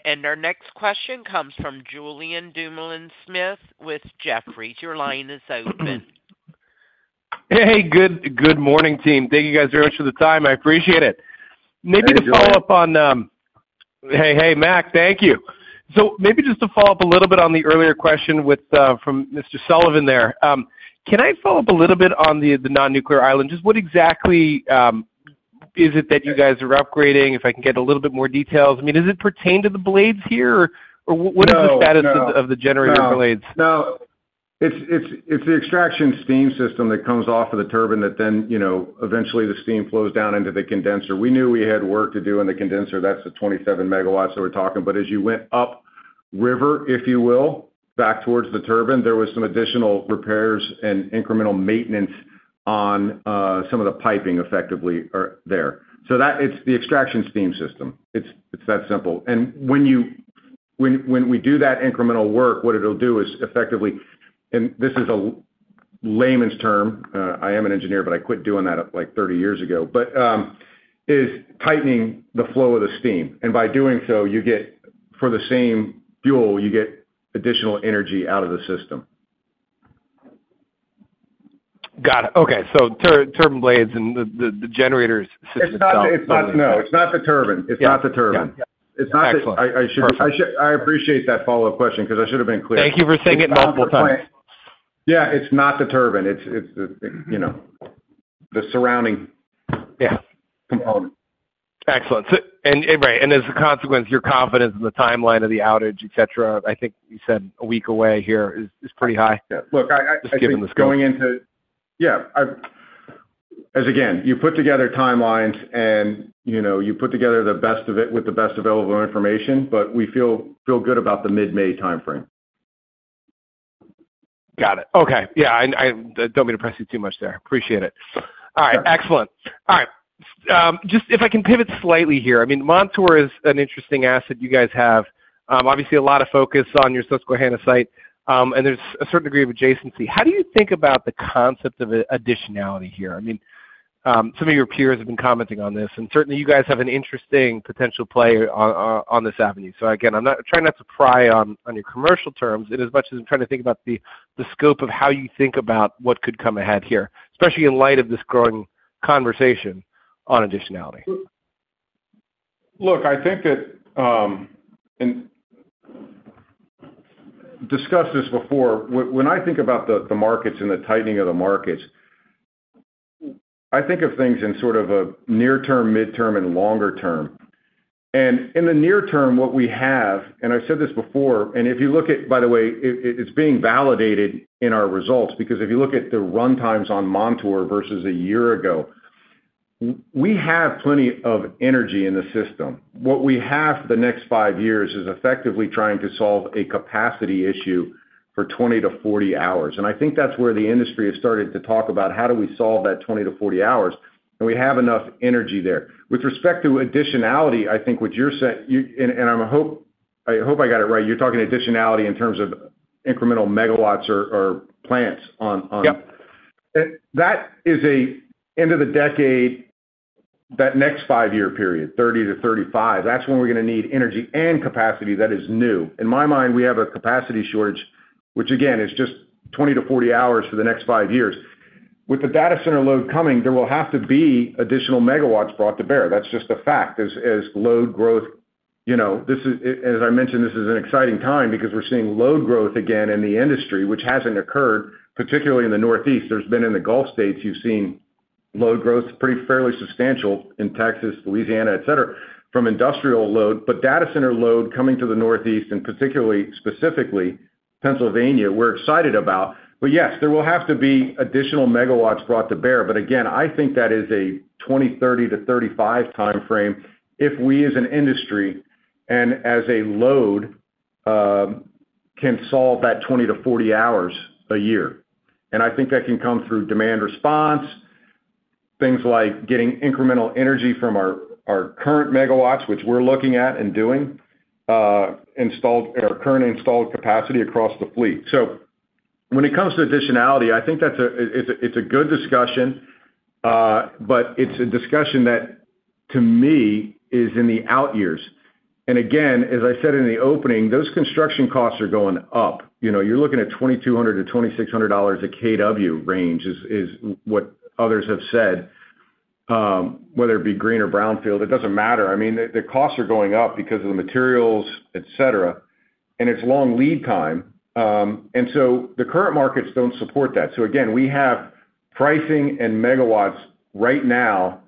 And our next question comes from Julian Dumoulin-Smith with Jefferies. Your line is open. Hey, good morning, team. Thank you guys very much for the time. I appreciate it. Maybe to follow up on. Hey, hey, Mac. Thank you. So maybe just to follow up a little bit on the earlier question from Mr. Sullivan there. Can I follow up a little bit on the non-nuclear island? Just what exactly is it that you guys are upgrading? If I can get a little bit more details. I mean, does it pertain to the blades here or what is the status of the generator blades? No. It's the extraction steam system that comes off of the turbine that then eventually the steam flows down into the condenser. We knew we had work to do in the condenser. That's the 27 megawatts that we're talking. But as you went up river, if you will, back towards the turbine, there were some additional repairs and incremental maintenance on some of the piping effectively there. So it's the extraction steam system. It's that simple. And when we do that incremental work, what it'll do is effectively, and this is a layman's term. I am an engineer, but I quit doing that like 30 years ago, but is tightening the flow of the steam. And by doing so, for the same fuel, you get additional energy out of the system. Got it. Okay. So turbine blades and the generator system? It's not. No, it's not the turbine. It's not the turbine. Excellent. I appreciate that follow-up question because I should have been clear. Thank you for saying it multiple times. Yeah. It's not the turbine. It's the surrounding component. Excellent. And right. And as a consequence, your confidence in the timeline of the outage, etc., I think you said a week away here is pretty high. Yeah. Look, I think going into, yeah. As again, you put together timelines, and you put together the best of it with the best available information. But we feel good about the mid-May timeframe. Got it. Okay. Yeah. I don't mean to press you too much there. Appreciate it. All right. Excellent. All right. Just if I can pivot slightly here. I mean, Montour is an interesting asset you guys have. Obviously, a lot of focus on your Susquehanna site, and there's a certain degree of adjacency. How do you think about the concept of additionality here? I mean, some of your peers have been commenting on this, and certainly, you guys have an interesting potential player on this avenue. So again, I'm trying not to pry on your commercial terms, and as much as I'm trying to think about the scope of how you think about what could come ahead here, especially in light of this growing conversation on additionality. Look, I think that, and discussed this before, when I think about the markets and the tightening of the markets, I think of things in sort of a near-term, mid-term, and longer term. And in the near term, what we have, and I've said this before, and if you look at, by the way, it's being validated in our results because if you look at the runtimes on Montour versus a year ago, we have plenty of energy in the system. What we have the next five years is effectively trying to solve a capacity issue for 20-40 hours. And I think that's where the industry has started to talk about how do we solve that 20-40 hours, and we have enough energy there. With respect to additionality, I think what you're saying, and I hope I got it right, you're talking additionality in terms of incremental megawatts or plants on. Yep. That is the end of the decade, that next five-year period, 30-35. That's when we're going to need energy and capacity that is new. In my mind, we have a capacity shortage, which again, is just 20-40 hours for the next five years. With the data center load coming, there will have to be additional megawatts brought to bear. That's just a fact as load growth, as I mentioned, this is an exciting time because we're seeing load growth again in the industry, which hasn't occurred, particularly in the Northeast. There's been, in the Gulf States, you've seen load growth pretty fairly substantial in Texas, Louisiana, etc., from industrial load. But data center load coming to the Northeast, and specifically Pennsylvania, we're excited about. But yes, there will have to be additional megawatts brought to bear. But again, I think that is a 2030-2035 timeframe if we, as an industry and as a load, can solve that 20-40 hours a year. And I think that can come through demand response, things like getting incremental energy from our current megawatts, which we're looking at and doing, installed or current installed capacity across the fleet. So when it comes to additionality, I think it's a good discussion, but it's a discussion that, to me, is in the out years. And again, as I said in the opening, those construction costs are going up. You're looking at $2,200-$2,600 a kW range is what others have said, whether it be greenfield or brownfield. It doesn't matter. I mean, the costs are going up because of the materials, etc., and it's long lead time. And so the current markets don't support that. So again, we have pricing and megawatts right now,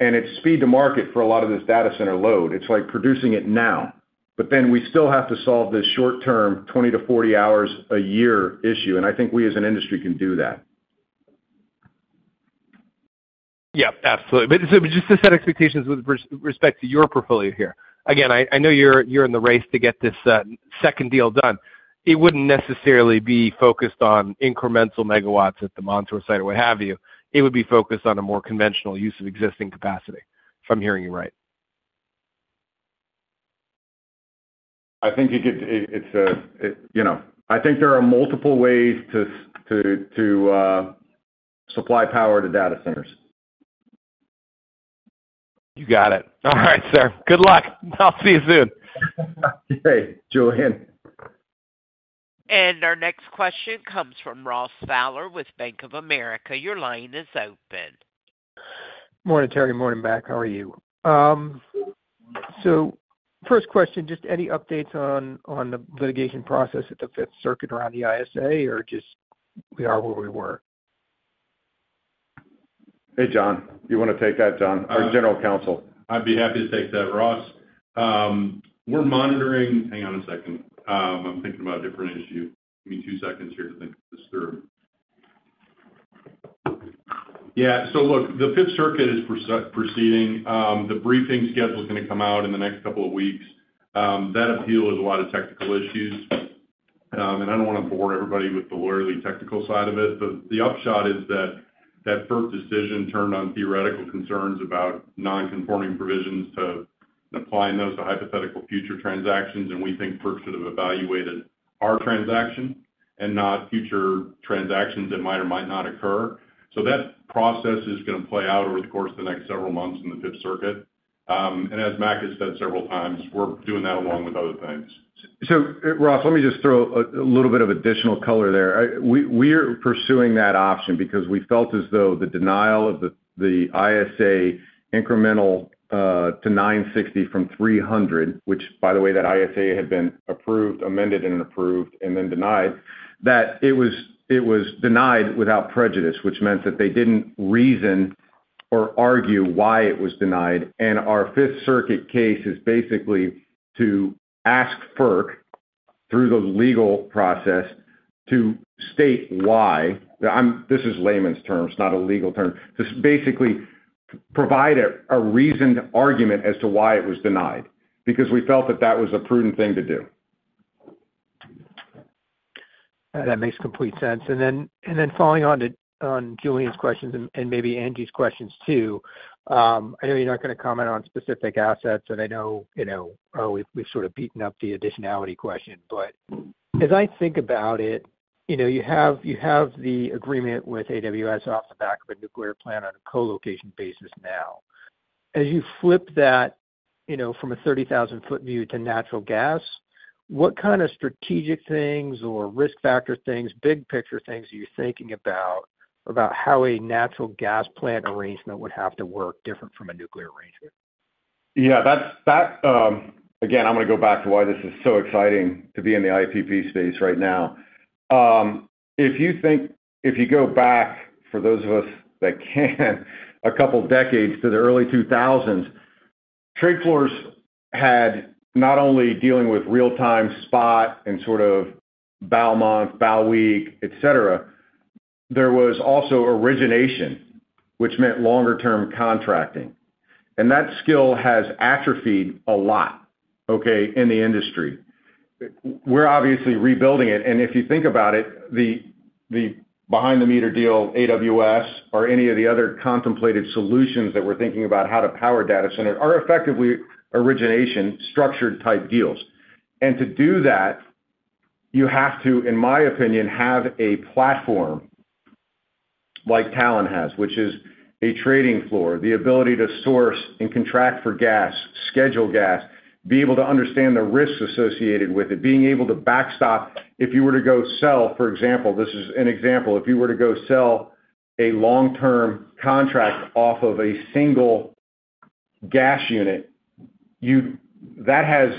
and it's speed to market for a lot of this data center load. It's like producing it now. But then we still have to solve this short-term 20-40 hours a year issue. And I think we, as an industry, can do that. Yep. Absolutely. But just to set expectations with respect to your portfolio here, again, I know you're in the race to get this second deal done. It wouldn't necessarily be focused on incremental megawatts at the Montour site or what have you. It would be focused on a more conventional use of existing capacity, if I'm hearing you right. I think there are multiple ways to supply power to data centers. You got it. All right, sir. Good luck. I'll see you soon. Okay. Julian. Our next question comes from Ross Fowler with Bank of America. Your line is open. Good morning, Terry. Morning, Mac. How are you? So first question, just any updates on the litigation process at the Fifth Circuit around the ISA or just we are where we were? Hey, John. You want to take that, John, or General Counsel? I'd be happy to take that, Ross. We're monitoring. Hang on a second. I'm thinking about a different issue. Give me two seconds here to think this through. Yeah. So look, the Fifth Circuit is proceeding. The briefing schedule is going to come out in the next couple of weeks. That appeal has a lot of technical issues. And I don't want to bore everybody with the lawyerly technical side of it. But the upshot is that that FERC decision turned on theoretical concerns about non-conforming provisions to applying those to hypothetical future transactions. And we think FERC should have evaluated our transaction and not future transactions that might or might not occur. So that process is going to play out over the course of the next several months in the Fifth Circuit. And as Mac has said several times, we're doing that along with other things. So, Ross, let me just throw a little bit of additional color there. We are pursuing that option because we felt as though the denial of the ISA incremental to 960 from 300, which, by the way, that ISA had been approved, amended, and approved, and then denied, that it was denied without prejudice, which meant that they didn't reason or argue why it was denied. And our Fifth Circuit case is basically to ask FERC through the legal process to state why—this is layman's terms, not a legal term—to basically provide a reasoned argument as to why it was denied because we felt that that was a prudent thing to do. That makes complete sense. And then following on Julian's questions and maybe Angie's questions too, I know you're not going to comment on specific assets, and I know we've sort of beaten up the additionality question. But as I think about it, you have the agreement with AWS off the back of a nuclear plant on a co-location basis now. As you flip that from a 30,000-foot view to natural gas, what kind of strategic things or risk factor things, big picture things are you thinking about about how a natural gas plant arrangement would have to work different from a nuclear arrangement? Yeah. Again, I'm going to go back to why this is so exciting to be in the IPP space right now. If you go back, for those of us that can, a couple of decades to the early 2000s, trade floors had not only dealing with real-time spot and sort of Bal-month, Bal-week, etc., there was also origination, which meant longer-term contracting. And that skill has atrophied a lot, okay, in the industry. We're obviously rebuilding it. And if you think about it, the behind-the-meter deal, AWS, or any of the other contemplated solutions that we're thinking about how to power data centers are effectively origination structured-type deals. To do that, you have to, in my opinion, have a platform like Talen has, which is a trading floor, the ability to source and contract for gas, schedule gas, be able to understand the risks associated with it, being able to backstop. If you were to go sell, for example, this is an example. If you were to go sell a long-term contract off of a single gas unit, that has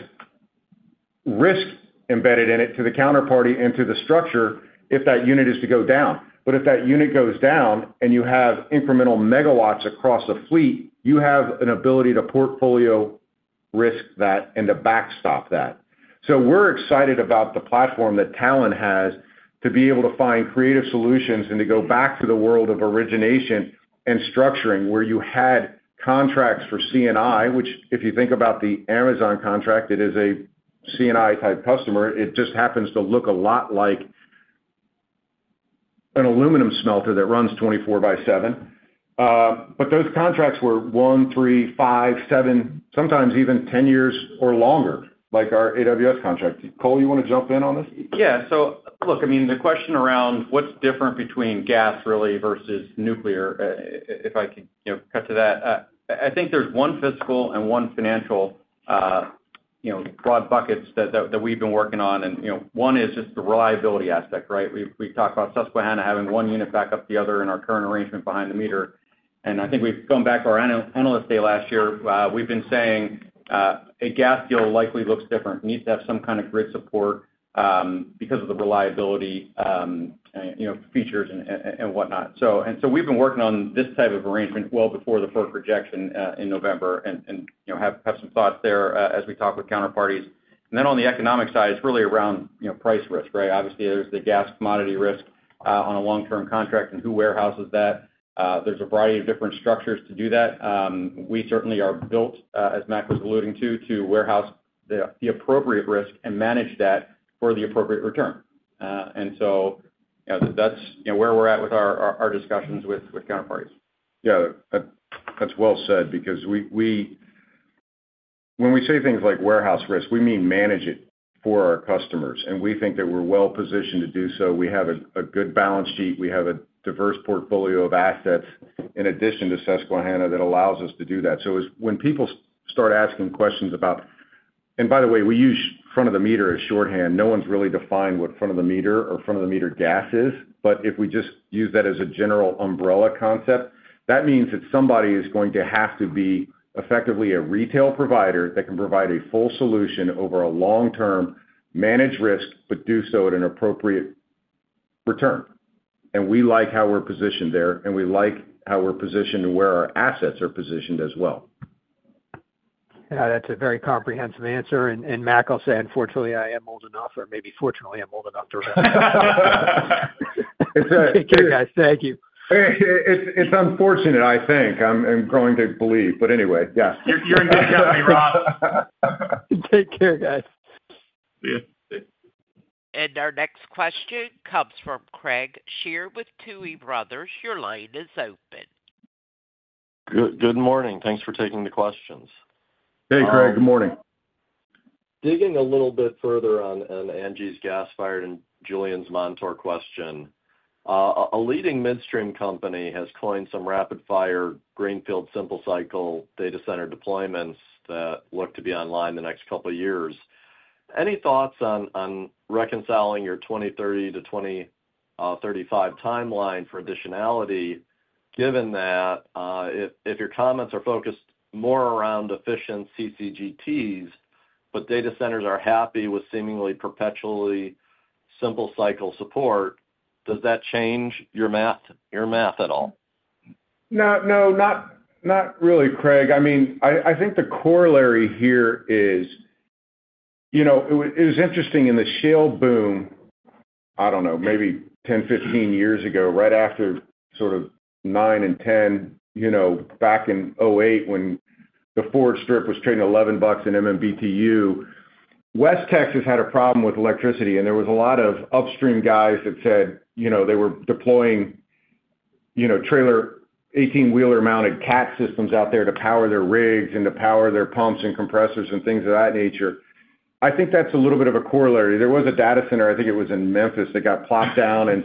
risk embedded in it to the counterparty and to the structure if that unit is to go down. But if that unit goes down and you have incremental megawatts across a fleet, you have an ability to portfolio risk that and to backstop that. We're excited about the platform that Talen has to be able to find creative solutions and to go back to the world of origination and structuring where you had contracts for CNI, which if you think about the Amazon contract, it is a CNI-type customer. It just happens to look a lot like an aluminum smelter that runs 24 by 7. But those contracts were one, three, five, seven, sometimes even 10 years or longer, like our AWS contract. Cole, you want to jump in on this? Yeah, so look, I mean, the question around what's different between gas really versus nuclear, if I can cut to that, I think there's one fiscal and one financial broad buckets that we've been working on. And one is just the reliability aspect, right? We talk about Susquehanna having one unit back up the other in our current arrangement behind the meter. And I think we've gone back to our analyst day last year. We've been saying a gas deal likely looks different. It needs to have some kind of grid support because of the reliability features and whatnot. And so we've been working on this type of arrangement well before the FERC rejection in November and have some thoughts there as we talk with counterparties. And then on the economic side, it's really around price risk, right? Obviously, there's the gas commodity risk on a long-term contract and who warehouses that. There's a variety of different structures to do that. We certainly are built, as Mac was alluding to, to warehouse the appropriate risk and manage that for the appropriate return. And so that's where we're at with our discussions with counterparties. Yeah. That's well said because when we say things like warehouse risk, we mean manage it for our customers. And we think that we're well positioned to do so. We have a good balance sheet. We have a diverse portfolio of assets in addition to Susquehanna that allows us to do that. So when people start asking questions about—and by the way, we use front-of-the-meter as shorthand. No one's really defined what front-of-the-meter or front-of-the-meter gas is. But if we just use that as a general umbrella concept, that means that somebody is going to have to be effectively a retail provider that can provide a full solution over a long-term managed risk but do so at an appropriate return. And we like how we're positioned there, and we like how we're positioned and where our assets are positioned as well. Yeah. That's a very comprehensive answer. And Mac, I'll say, unfortunately, I am old enough, or maybe fortunately, I'm old enough to rest. Take care, guys. Thank you. It's unfortunate, I think. I'm going to believe. But anyway, yes. You're in good company, Ross. Take care, guys. Our next question comes from Craig Shere with Tuohy Brothers. Your line is open. Good morning. Thanks for taking the questions. Hey, Craig. Good morning. Digging a little bit further on Angie's gas-fired and Julian's Montour question, a leading midstream company has announced some rapid-fire greenfield simple cycle data center deployments that look to be online the next couple of years. Any thoughts on reconciling your 2030-2035 timeline for additionality, given that if your comments are focused more around efficient CCGTs, but data centers are happy with seemingly perpetually simple cycle support, does that change your math at all? No, not really, Craig. I mean, I think the corollary here is it was interesting in the shale boom. I don't know, maybe 10, 15 years ago, right after sort of 2009 and 2010, back in 2008 when the forward strip was trading $11/MMBtu, West Texas had a problem with electricity. And there was a lot of upstream guys that said they were deploying trailer 18-wheeler-mounted CAT systems out there to power their rigs and to power their pumps and compressors and things of that nature. I think that's a little bit of a corollary. There was a data center, I think it was in Memphis, that got plopped down, and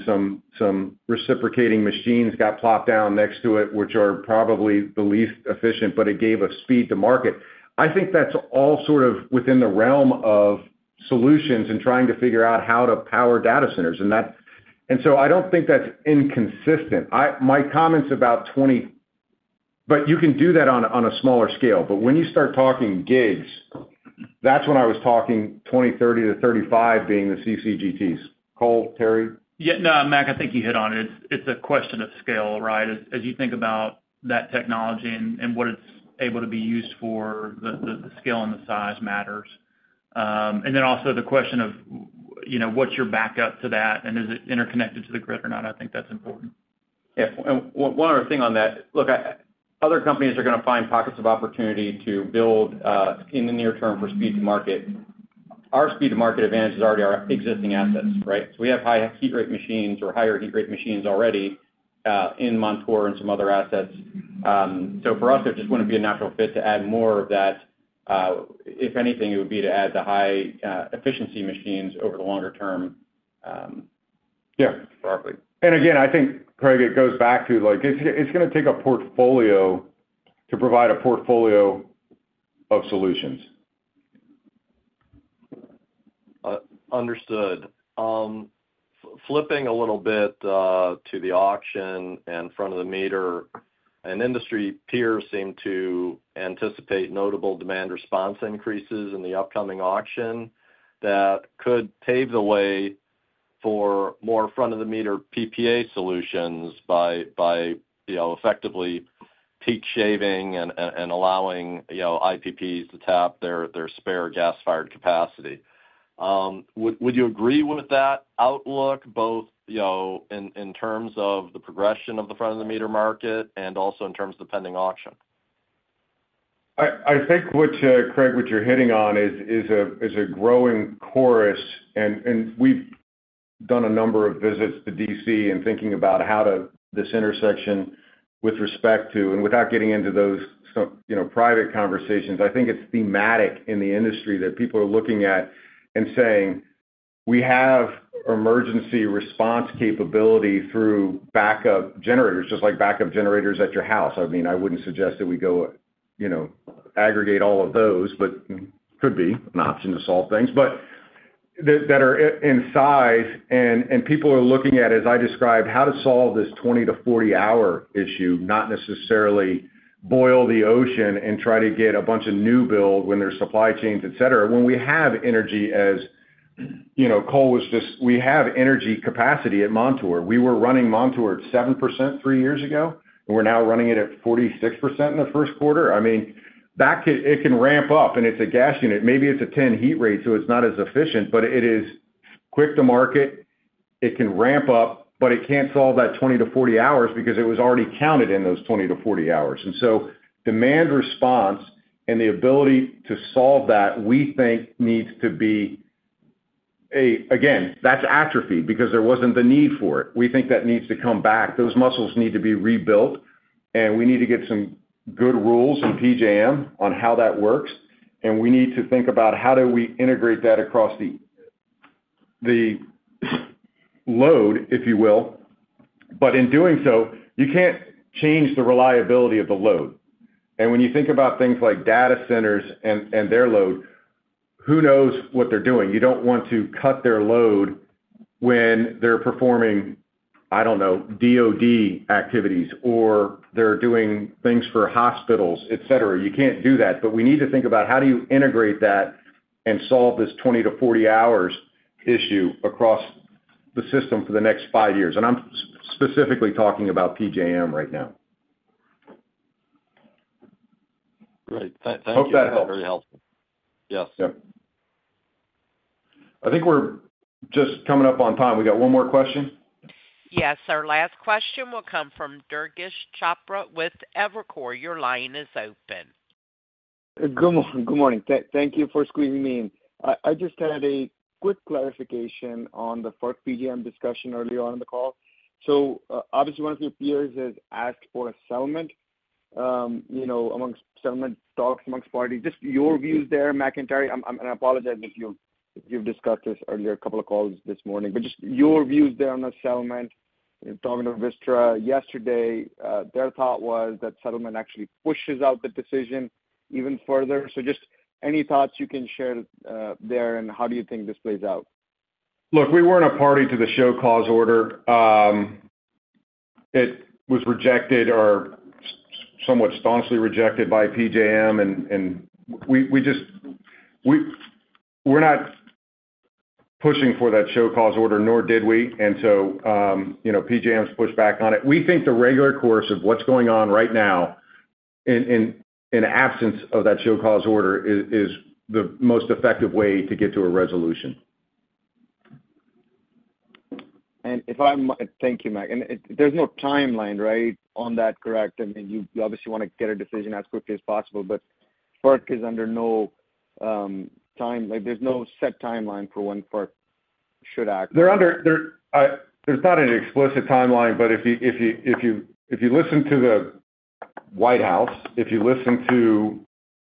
some reciprocating machines got plopped down next to it, which are probably the least efficient, but it gave a speed to market. I think that's all sort of within the realm of solutions and trying to figure out how to power data centers. And so I don't think that's inconsistent. My comments about 20, but you can do that on a smaller scale. But when you start talking gigs, that's when I was talking 2030-2035 being the CCGTs. Cole, Terry? Yeah. No, Mac, I think you hit on it. It's a question of scale, right? As you think about that technology and what it's able to be used for, the scale and the size matters, and then also the question of what's your backup to that, and is it interconnected to the grid or not? I think that's important. Yeah, and one other thing on that. Look, other companies are going to find pockets of opportunity to build in the near term for speed to market. Our speed to market advantage is already our existing assets, right? So we have high heat rate machines or higher heat rate machines already in Montour and some other assets. So for us, it just wouldn't be a natural fit to add more of that. If anything, it would be to add the high-efficiency machines over the longer term. Yeah. Exactly, and again, I think, Craig, it goes back to it's going to take a portfolio to provide a portfolio of solutions. Understood. Flipping a little bit to the auction and front-of-the-meter, an industry peer seemed to anticipate notable demand response increases in the upcoming auction that could pave the way for more front-of-the-meter PPA solutions by effectively peak shaving and allowing IPPs to tap their spare gas-fired capacity. Would you agree with that outlook, both in terms of the progression of the front-of-the-meter market and also in terms of the pending auction? I think, Craig, what you're hitting on is a growing chorus, and we've done a number of visits to DC and thinking about how to this intersection with respect to, and without getting into those private conversations, I think it's thematic in the industry that people are looking at and saying, "We have emergency response capability through backup generators," just like backup generators at your house. I mean, I wouldn't suggest that we go aggregate all of those, but it could be an option to solve things that are in size, and people are looking at, as I described, how to solve this 20-40-hour issue, not necessarily boil the ocean and try to get a bunch of new build when there's supply chains, etc., when we have energy as Cole was just, we have energy capacity at Montour. We were running Montour at 7% three years ago, and we're now running it at 46% in the first quarter. I mean, it can ramp up, and it's a gas unit. Maybe it's a 10-heat rate, so it's not as efficient, but it is quick to market. It can ramp up, but it can't solve that 20-40 hours because it was already counted in those 20-40 hours. And so demand response and the ability to solve that, we think, needs to be. Again, that's atrophy because there wasn't the need for it. We think that needs to come back. Those muscles need to be rebuilt, and we need to get some good rules in PJM on how that works and we need to think about how do we integrate that across the load, if you will. But in doing so, you can't change the reliability of the load. And when you think about things like data centers and their load, who knows what they're doing? You don't want to cut their load when they're performing, I don't know, DOD activities, or they're doing things for hospitals, etc. You can't do that. But we need to think about how do you integrate that and solve this 20-40-hour issue across the system for the next five years. And I'm specifically talking about PJM right now. Great. Thank you. Hope that helps. Hope that was very helpful. Yes. Yeah. I think we're just coming up on time. We got one more question? Yes. Our last question will come from Durgesh Chopra with Evercore. Your line is open. Good morning. Thank you for squeezing me in. I just had a quick clarification on the FERC PJM discussion earlier on in the call. So obviously, one of your peers has asked for a settlement among settlement talks among parties. Just your views there, Mac and Terry. I apologize if you've discussed this earlier a couple of calls this morning, but just your views there on the settlement. You were talking to Vistra yesterday. Their thought was that settlement actually pushes out the decision even further. So just any thoughts you can share there and how do you think this plays out? Look, we weren't a party to the show-cause order. It was rejected or somewhat staunchly rejected by PJM, and we're not pushing for that show-cause order, nor did we, and so PJM's pushed back on it. We think the regular course of what's going on right now in absence of that show-cause order is the most effective way to get to a resolution. And if I'm, thank you, Mac. And there's no timeline, right, on that, correct? I mean, you obviously want to get a decision as quickly as possible, but FERC is under no time, there's no set timeline for when FERC should act. There's not an explicit timeline, but if you listen to the White House, if you listen to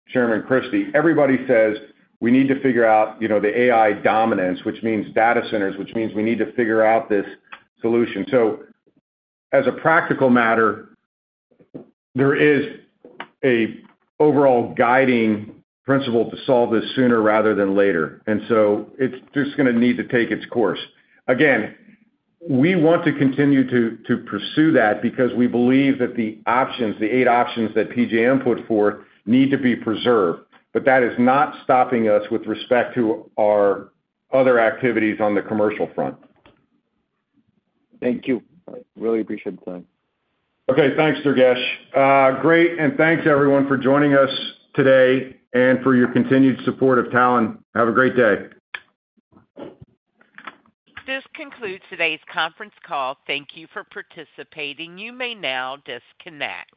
Chairman Christie, everybody says, "We need to figure out the AI dominance," which means data centers, which means we need to figure out this solution. So as a practical matter, there is an overall guiding principle to solve this sooner rather than later. And so it's just going to need to take its course. Again, we want to continue to pursue that because we believe that the eight options that PJM put forth need to be preserved. But that is not stopping us with respect to our other activities on the commercial front. Thank you. Really appreciate the time. Okay. Thanks, Durgesh. Great. And thanks, everyone, for joining us today and for your continued support of Talen. Have a great day. This concludes today's conference call. Thank you for participating. You may now disconnect.